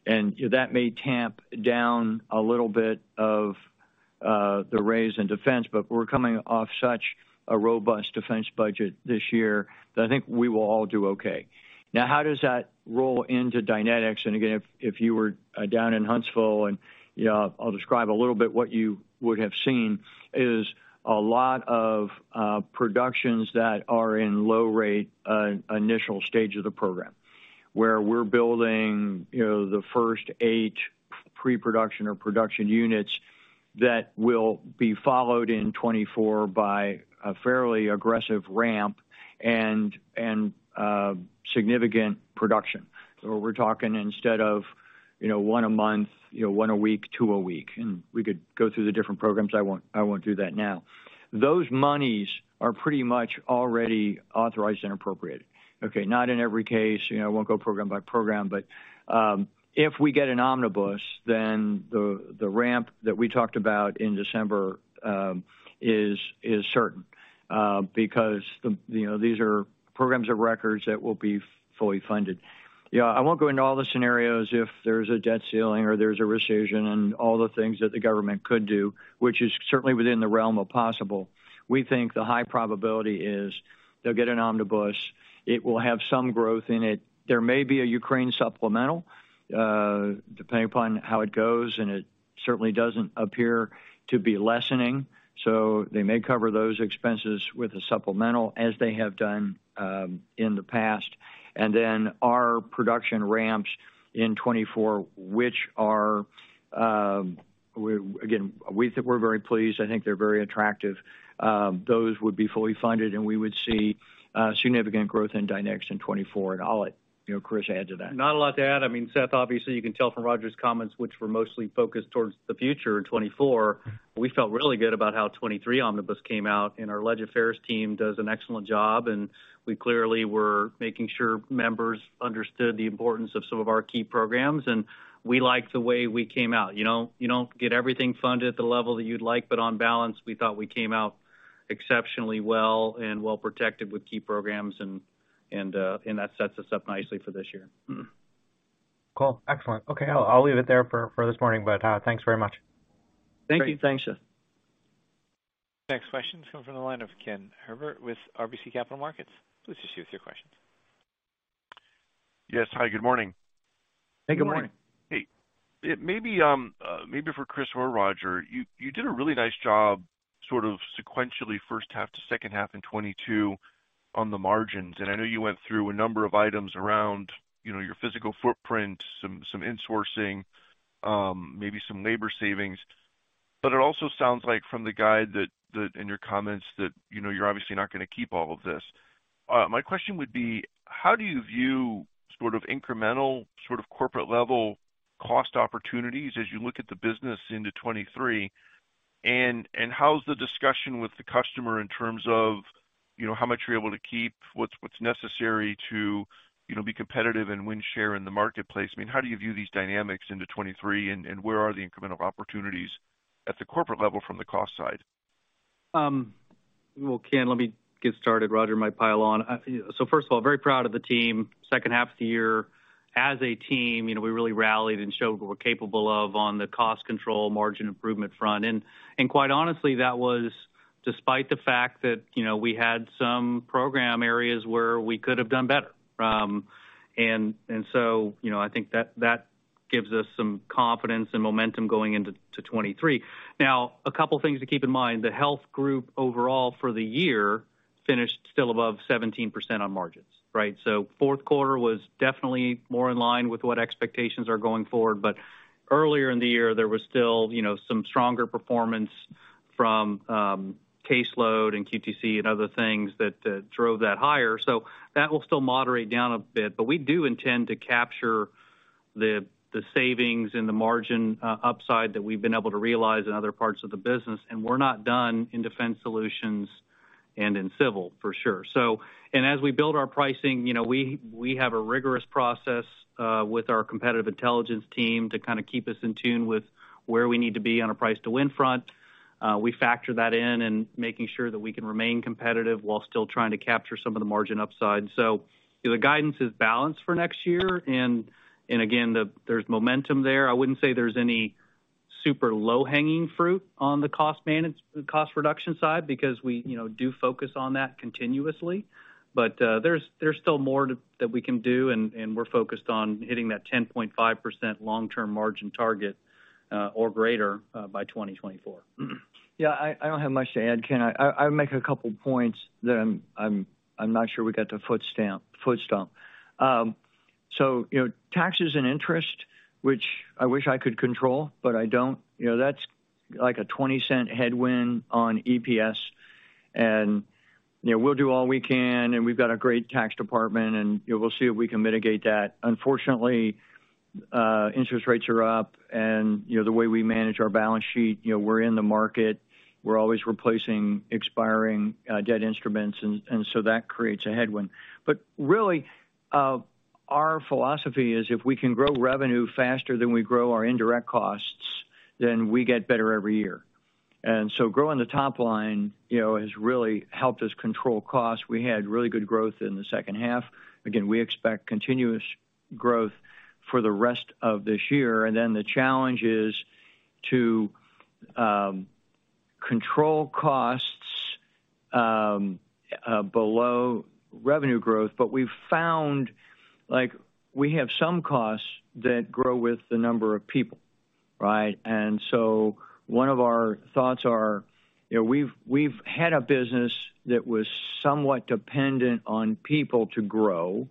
That may tamp down a little bit of the raise in defense, but we're coming off such a robust defense budget this year that I think we will all do okay. Now, how does that roll into Dynetics? Again, if you were down in Huntsville and, you know, I'll describe a little bit what you would have seen, is a lot of productions that are in low rate initial stage of the program. Where we're building, you know, the first 8 pre-production or production units that will be followed in 2024 by a fairly aggressive ramp and significant production. We're talking instead of, you know, one a month, you know, one a week, two a week. We could go through the different programs. I won't do that now. Those monies are pretty much already authorized and appropriated. Okay, not in every case. You know, I won't go program by program. If we get an omnibus, then the ramp that we talked about in December is certain, because the, you know, these are programs of records that will be fully funded. I won't go into all the scenarios if there's a debt ceiling or there's a rescission and all the things that the government could do, which is certainly within the realm of possible. We think the high probability is they'll get an omnibus. It will have some growth in it. There may be a Ukraine supplemental, depending upon how it goes, and it certainly doesn't appear to be lessening. They may cover those expenses with a supplemental as they have done, in the past. Then our production ramps in 2024, which are, We again, we're very pleased. I think they're very attractive. Those would be fully funded, and we would see significant growth in Dynetics in 2024. I'll let, you know, Chris add to that. Not a lot to add. I mean, Seth, obviously, you can tell from Roger's comments, which were mostly focused towards the future in 2024. We felt really good about how 2023 omnibus came out, and our Legislative Affairs team does an excellent job, and we clearly were making sure members understood the importance of some of our key programs. We like the way we came out. You don't get everything funded at the level that you'd like, but on balance, we thought we came out exceptionally well and well-protected with key programs and that sets us up nicely for this year. Mm-hmm. Cool. Excellent. Okay, I'll leave it there for this morning, but thanks very much. Thank you. Thanks, Seth. Next question is coming from the line of Ken Herbert with RBC Capital Markets. Please proceed with your questions. Yes. Hi, good morning. Hey, good morning. Hey, it may be, maybe for Chris or Roger. You did a really nice job sort of sequentially first half to second half in 2022 on the margins. I know you went through a number of items around, you know, your physical footprint, some insourcing, maybe some labor savings. It also sounds like from the guide that, and your comments that, you know, you're obviously not gonna keep all of this. My question would be: How do you view sort of incremental, sort of corporate level cost opportunities as you look at the business into 2023? How's the discussion with the customer in terms of, you know, how much you're able to keep, what's necessary to, you know, be competitive and win share in the marketplace? I mean, how do you view these dynamics into 2023, and where are the incremental opportunities at the corporate level from the cost side? Well, Ken, let me get started. Roger might pile on. First of all, very proud of the team. Second half of the year, as a team, you know, we really rallied and showed what we're capable of on the cost control margin improvement front. Quite honestly, that was despite the fact that, you know, we had some program areas where we could have done better. So, you know, I think that gives us some confidence and momentum going into 2023. Now, a couple things to keep in mind. The health group overall for the year finished still above 17% on margins, right? Fourth quarter was definitely more in line with what expectations are going forward. Earlier in the year, there was still, you know, some stronger performance from caseload and QTC and other things that drove that higher. That will still moderate down a bit, but we do intend to capture the savings and the margin upside that we've been able to realize in other parts of the business, and we're not done in Defense Solutions and in Civil, for sure. As we build our pricing, you know, we have a rigorous process with our competitive intelligence team to kind of keep us in tune with where we need to be on a price to win front. We factor that in and making sure that we can remain competitive while still trying to capture some of the margin upside. You know, the guidance is balanced for next year. Again, there's momentum there. I wouldn't say there's any super low-hanging fruit on the cost reduction side because we, you know, do focus on that continuously. There's still more that we can do and we're focused on hitting that 10.5% long-term margin target or greater by 2024. Yeah, I don't have much to add, Ken. I'll make a couple points that I'm not sure we got to foot stomp. You know, taxes and interest, which I wish I could control, but I don't. You know, that's like a $0.20 headwind on EPS. You know, we'll do all we can, and we've got a great tax department, and, you know, we'll see if we can mitigate that. Unfortunately, interest rates are up and, you know, the way we manage our balance sheet, you know, we're in the market. We're always replacing expiring, debt instruments and so that creates a headwind. Really, our philosophy is if we can grow revenue faster than we grow our indirect costs, then we get better every year. Growing the top line, you know, has really helped us control costs. We had really good growth in the second half. Again, we expect continuous growth for the rest of this year. The challenge is to control costs below revenue growth. We've found, like, we have some costs that grow with the number of people, right? One of our thoughts are, you know, we've had a business that was somewhat dependent on people to grow,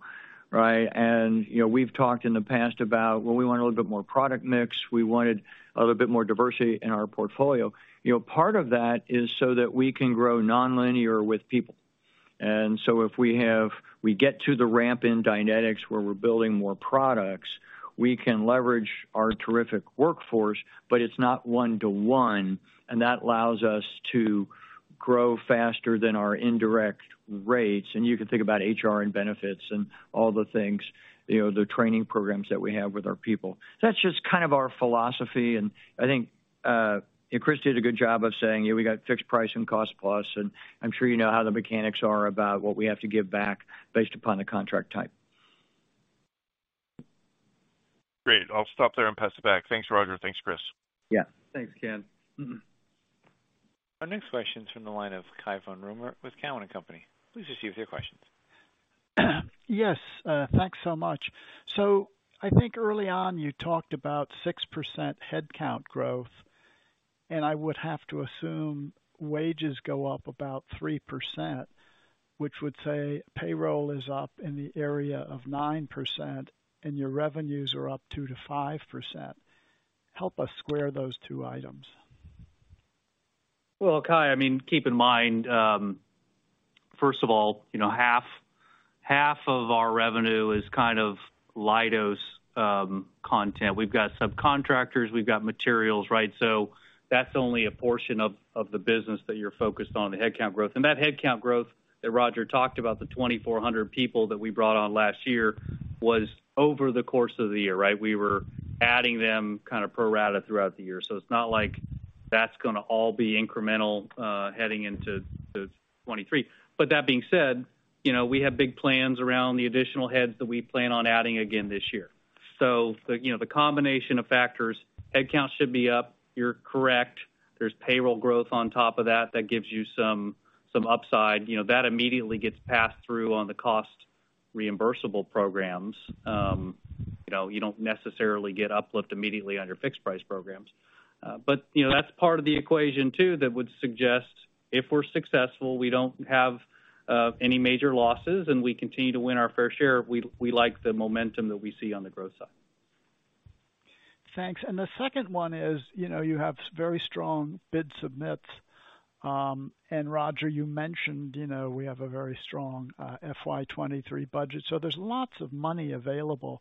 right? You know, we've talked in the past about, well, we want a little bit more product mix. We wanted a little bit more diversity in our portfolio. You know, part of that is so that we can grow nonlinear with people. If we get to the ramp in Dynetics where we're building more products, we can leverage our terrific workforce, but it's not one-to-one, and that allows us to grow faster than our indirect rates. You can think about HR and benefits and all the things, you know, the training programs that we have with our people. That's just kind of our philosophy, and I think, you know, Chris did a good job of saying, you know, we got fixed price and cost-plus, and I'm sure you know how the mechanics are about what we have to give back based upon the contract type. Great. I'll stop there and pass it back. Thanks, Roger. Thanks, Chris. Yeah. Thanks, Ken. Our next question is from the line of Cai von Rumohr with Cowen and Company. Please proceed with your questions. Yes, thanks so much. I think early on you talked about 6% headcount growth I would have to assume wages go up about 3%, which would say payroll is up in the area of 9% and your revenues are up 2%-5%. Help us square those two items. Well, Cai, I mean, keep in mind, first of all, you know, half of our revenue is kind of Leidos content. We've got subcontractors, we've got materials, right? That's only a portion of the business that you're focused on the headcount growth. That headcount growth that Roger talked about, the 2,400 people that we brought on last year, was over the course of the year, right? We were adding them kind of pro rata throughout the year. It's not like that's gonna all be incremental, heading into 2023. That being said, you know, we have big plans around the additional heads that we plan on adding again this year. The, you know, the combination of factors, head count should be up. You're correct. There's payroll growth on top of that gives you some upside. You know, that immediately gets passed through on the cost reimbursable programs. You know, you don't necessarily get uplift immediately on your fixed price programs. You know, that's part of the equation too, that would suggest if we're successful, we don't have any major losses, and we continue to win our fair share. We like the momentum that we see on the growth side. Thanks. The second one is, you know, you have very strong bid submits. Roger, you mentioned, you know, we have a very strong FY 2023 budget, so there's lots of money available.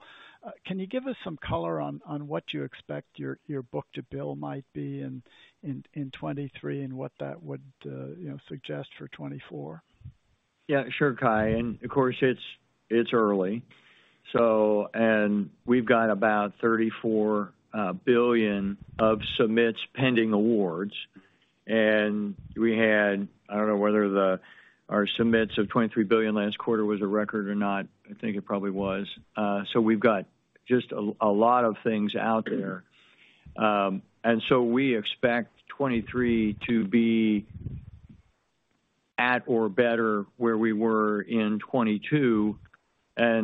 Can you give us some color on what you expect your book-to-bill might be in 2023 and what that would, you know, suggest for 2024? Yeah, sure, Cai. Of course it's early, and we've got about $34 billion of submits pending awards. We had... I don't know whether our submits of $23 billion last quarter was a record or not. I think it probably was. We've got just a lot of things out there. We expect 2023 to be at or better where we were in 2022. You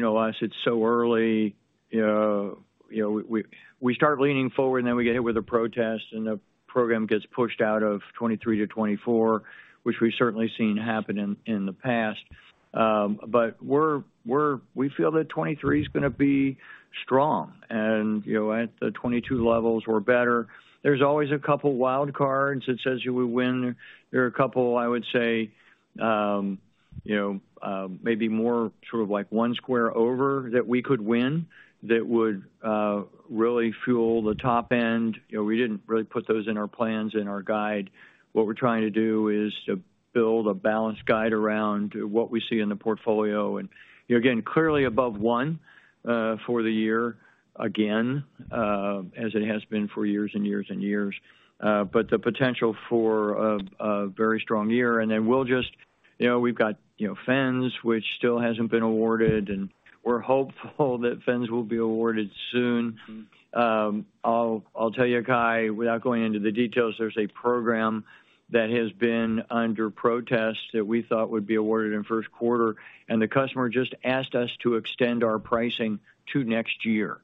know us, it's so early, you know, we start leaning forward, and then we get hit with a protest, and the program gets pushed out of 2023 to 2024, which we've certainly seen happen in the past. We feel that 2023 is gonna be strong and, you know, at the 2022 levels or better. There's always a couple wild cards that says you will win. There are a couple, I would say, you know, maybe more sort of like one square over that we could win that would really fuel the top end. You know, we didn't really put those in our plans in our guide. What we're trying to do is to build a balanced guide around what we see in the portfolio, and, you know, again, clearly above one for the year again, as it has been for years and years and years. The potential for a very strong year. We'll just... You know, we've got, you know, FENS, which still hasn't been awarded, and we're hopeful that FENS will be awarded soon. I'll tell you, Cai, without going into the details, there's a program that has been under protest that we thought would be awarded in first quarter, and the customer just asked us to extend our pricing to next year.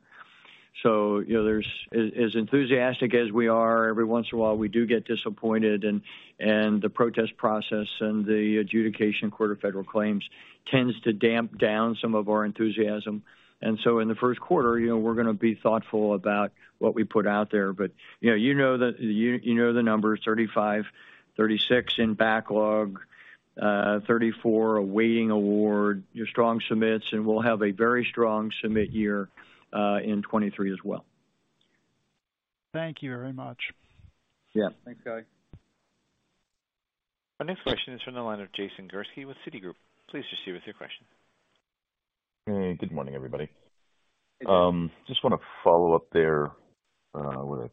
You know, there's As enthusiastic as we are, every once in a while we do get disappointed and the protest process and the Adjudication Court of Federal Claims tends to damp down some of our enthusiasm. In the first quarter, you know, we're gonna be thoughtful about what we put out there. You know, you know the numbers, 35, 36 in backlog, 34 awaiting award. Your strong submits. We'll have a very strong submit year in 2023 as well. Thank you very much. Yeah. Thanks, Cai. Our next question is from the line of Jason Gursky with Citigroup. Please proceed with your question. Hey, good morning, everybody. Just wanna follow up there with a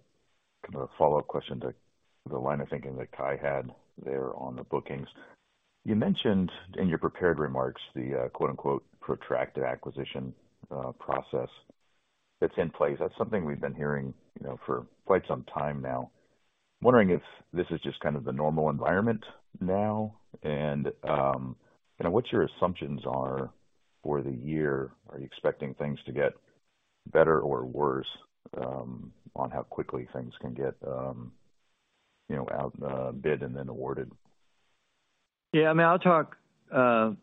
kind of a follow-up question to the line of thinking that Cai had there on the bookings. You mentioned in your prepared remarks the quote, unquote, "protracted acquisition process" that's in place. That's something we've been hearing, you know, for quite some time now. Wondering if this is just kind of the normal environment now and, you know, what your assumptions are for the year. Are you expecting things to get better or worse on how quickly things can get, you know, out bid and then awarded? Yeah, I mean, I'll talk, you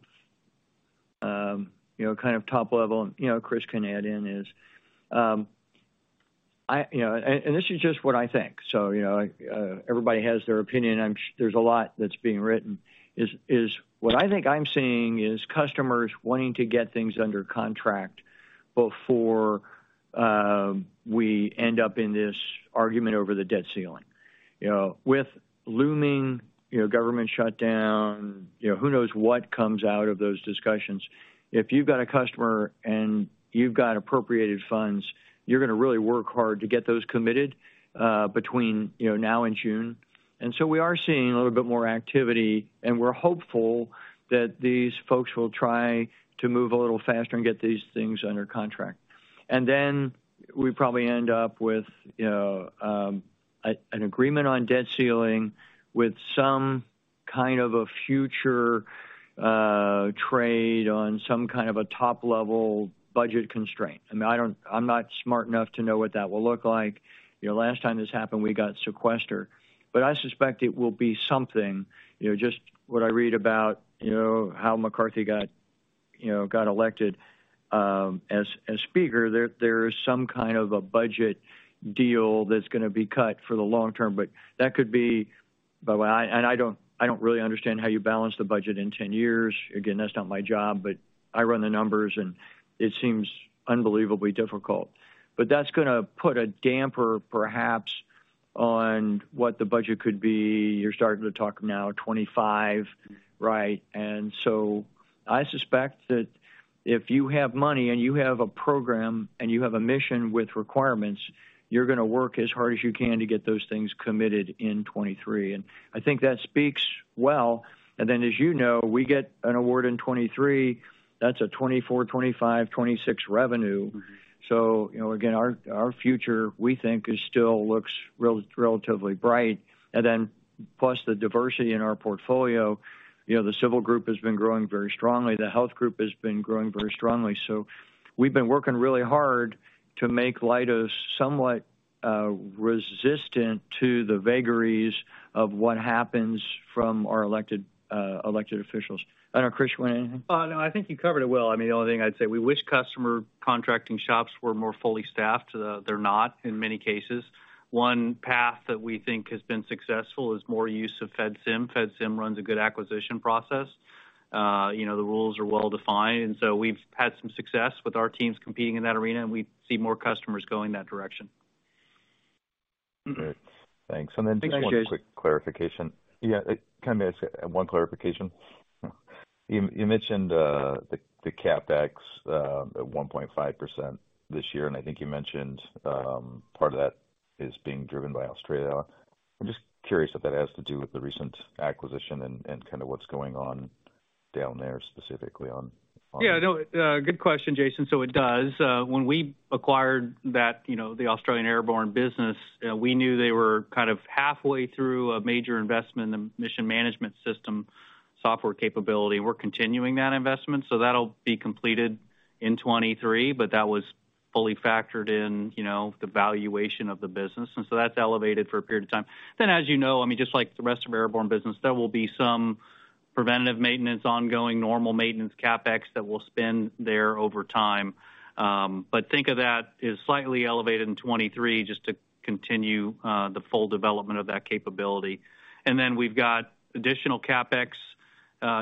know, kind of top level, you know, Chris can add in, is, you know, this is just what I think. You know, everybody has their opinion. There's a lot that's being written. What I think I'm seeing is customers wanting to get things under contract before we end up in this argument over the debt ceiling. You know, with looming, you know, government shutdown, you know, who knows what comes out of those discussions. If you've got a customer and you've got appropriated funds, you're gonna really work hard to get those committed between, you know, now and June. We are seeing a little bit more activity, and we're hopeful that these folks will try to move a little faster and get these things under contract. Then we probably end up with, you know, an agreement on debt ceiling with some kind of a future trade on some kind of a top level budget constraint. I mean, I'm not smart enough to know what that will look like. You know, last time this happened, we got sequestered. I suspect it will be something, you know, just what I read about, you know, how McCarthy got, you know, got elected, as Speaker. There is some kind of a budget deal that's gonna be cut for the long term. That could be. By the way, I, and I don't really understand how you balance the budget in 10 years. Again, that's not my job, but I run the numbers, and it seems unbelievably difficult. That's gonna put a damper, perhaps, on what the budget could be. You're starting to talk now 2025, right? I suspect that if you have money and you have a program and you have a mission with requirements, you're gonna work as hard as you can to get those things committed in 2023. I think that speaks well. As you know, we get an award in 2023. That's a 2024, 2025, 2026 revenue. Mm-hmm. You know, again, our future, we think is still looks relatively bright. Plus the diversity in our portfolio. You know, the civil group has been growing very strongly. The health group has been growing very strongly. We've been working really hard to make Leidos somewhat resistant to the vagaries of what happens from our elected officials. I don't know, Chris, you wanna anything? No, I think you covered it well. I mean, the only thing I'd say, we wish customer contracting shops were more fully staffed. They're not, in many cases. One path that we think has been successful is more use of FEDSIM. FEDSIM runs a good acquisition process. You know, the rules are well-defined. We've had some success with our teams competing in that arena, and we see more customers going that direction. Mm-hmm. Great. Thanks. Thanks, Jason. Then just one quick clarification. Yeah, can I ask one clarification? You mentioned the CapEx at 1.5% this year, and I think you mentioned part of that is being driven by Australia. I'm just curious if that has to do with the recent acquisition and kinda what's going on down there specifically on. Yeah, no. Good question, Jason. It does. When we acquired that, you know, the Australian airborne business, we knew they were kind of halfway through a major investment in the mission management system software capability. We're continuing that investment, that'll be completed in 2023. That was fully factored in, you know, the valuation of the business. That's elevated for a period of time. As you know, I mean, just like the rest of airborne business, there will be some preventative maintenance, ongoing normal maintenance CapEx that we'll spend there over time. Think of that as slightly elevated in 2023 just to continue the full development of that capability. We've got additional CapEx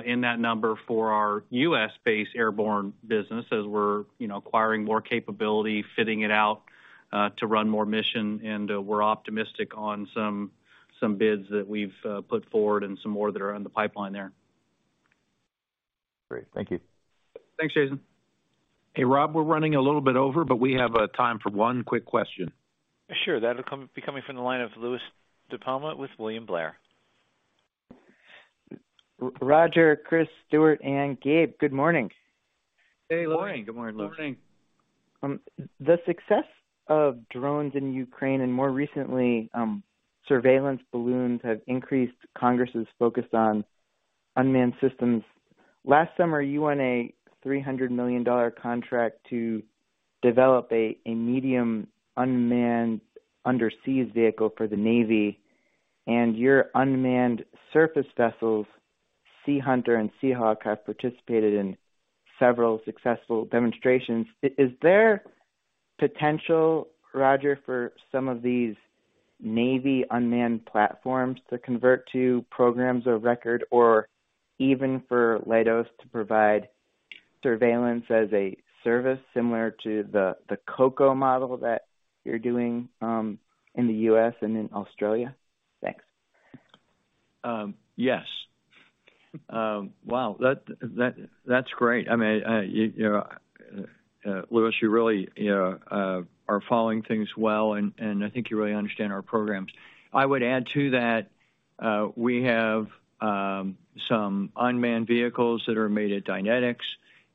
in that number for our U.S.-based airborne business as we're, you know, acquiring more capability, fitting it out to run more mission. We're optimistic on some bids that we've put forward and some more that are on the pipeline there. Great. Thank you. Thanks, Jason. Hey, Rob, we're running a little bit over, but we have time for one quick question. Sure. That'll come, be coming from the line of Louie DiPalma with William Blair. Roger, Chris, Stuart, and Gabe, good morning. Hey, Louie. Good morning. Good morning, Louie. Good morning. The success of drones in Ukraine and more recently, surveillance balloons have increased Congress's focus on unmanned systems. Last summer, you won a $300 million contract to develop a medium unmanned undersea vehicle for the Navy. Your unmanned surface vessels, Sea Hunter and Seahawk, have participated in several successful demonstrations. Is there potential, Roger, for some of these Navy unmanned platforms to convert to programs of record or even for Leidos to provide surveillance as a service similar to the COCO model that you're doing in the U.S. and in Australia? Thanks. Yes. Wow, that's great. I mean, Louie, you really are following things well, and I think you really understand our programs. I would add to that, we have some unmanned vehicles that are made at Dynetics.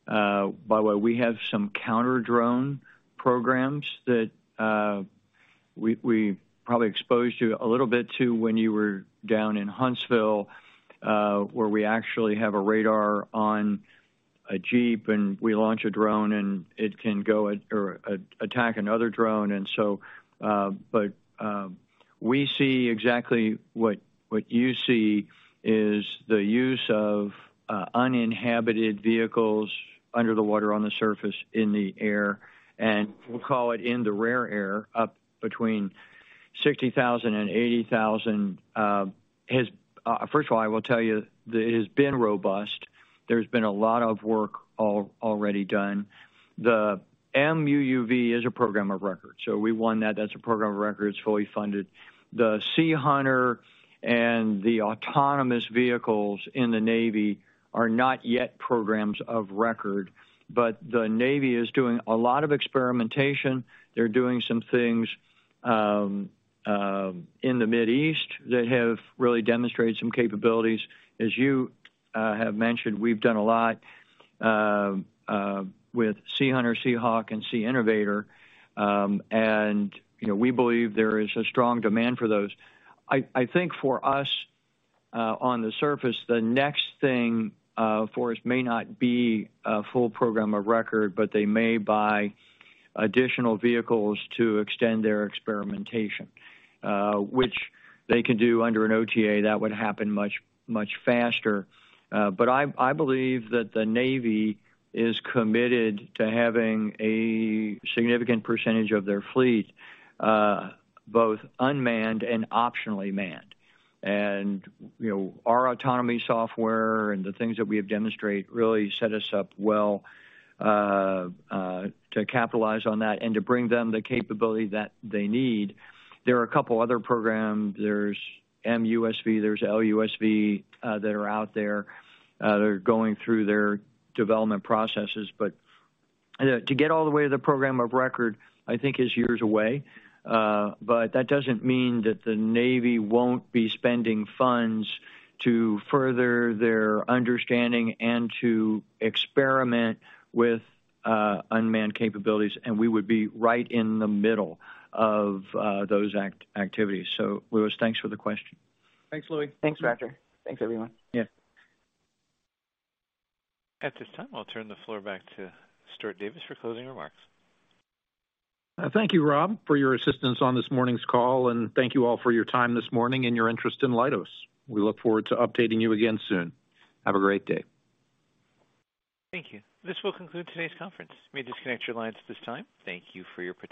By the way, we have some counter-drone programs that we probably exposed you a little bit to when you were down in Huntsville, where we actually have a radar on a Jeep, and we launch a drone, and it can go or attack another drone. We see exactly what you see is the use of uninhabited vehicles under the water, on the surface, in the air. We'll call it in the rare air, up between 60,000 and 80,000. First of all, I will tell you that it has been robust. There's been a lot of work already done. The MUUV is a program of record. We won that. That's a program of record. It's fully funded. The Sea Hunter and the autonomous vehicles in the Navy are not yet programs of record. The Navy is doing a lot of experimentation. They're doing some things in the Mid East that have really demonstrated some capabilities. As you have mentioned, we've done a lot with Sea Hunter, Seahawk, and Sea Innovator. You know, we believe there is a strong demand for those. I think for us, on the surface, the next thing for us may not be a full program of record, but they may buy additional vehicles to extend their experimentation, which they can do under an OTA. That would happen much, much faster. I believe that the Navy is committed to having a significant percentage of their fleet, both unmanned and optionally manned. You know, our autonomy software and the things that we have demonstrate really set us up well to capitalize on that and to bring them the capability that they need. There are a couple of other programs. There's MUSV, there's LUSV, that are out there, that are going through their development processes. To get all the way to the program of record, I think is years away. That doesn't mean that the Navy won't be spending funds to further their understanding and to experiment with unmanned capabilities, and we would be right in the middle of those activities. Louie, thanks for the question. Thanks, Louie. Thanks, Roger. Thanks, everyone. Yeah. At this time, I'll turn the floor back to Stuart Davis for closing remarks. Thank you, Rob, for your assistance on this morning's call, and thank you all for your time this morning and your interest in Leidos. We look forward to updating you again soon. Have a great day. Thank you. This will conclude today's conference. You may disconnect your lines at this time. Thank you for your participation.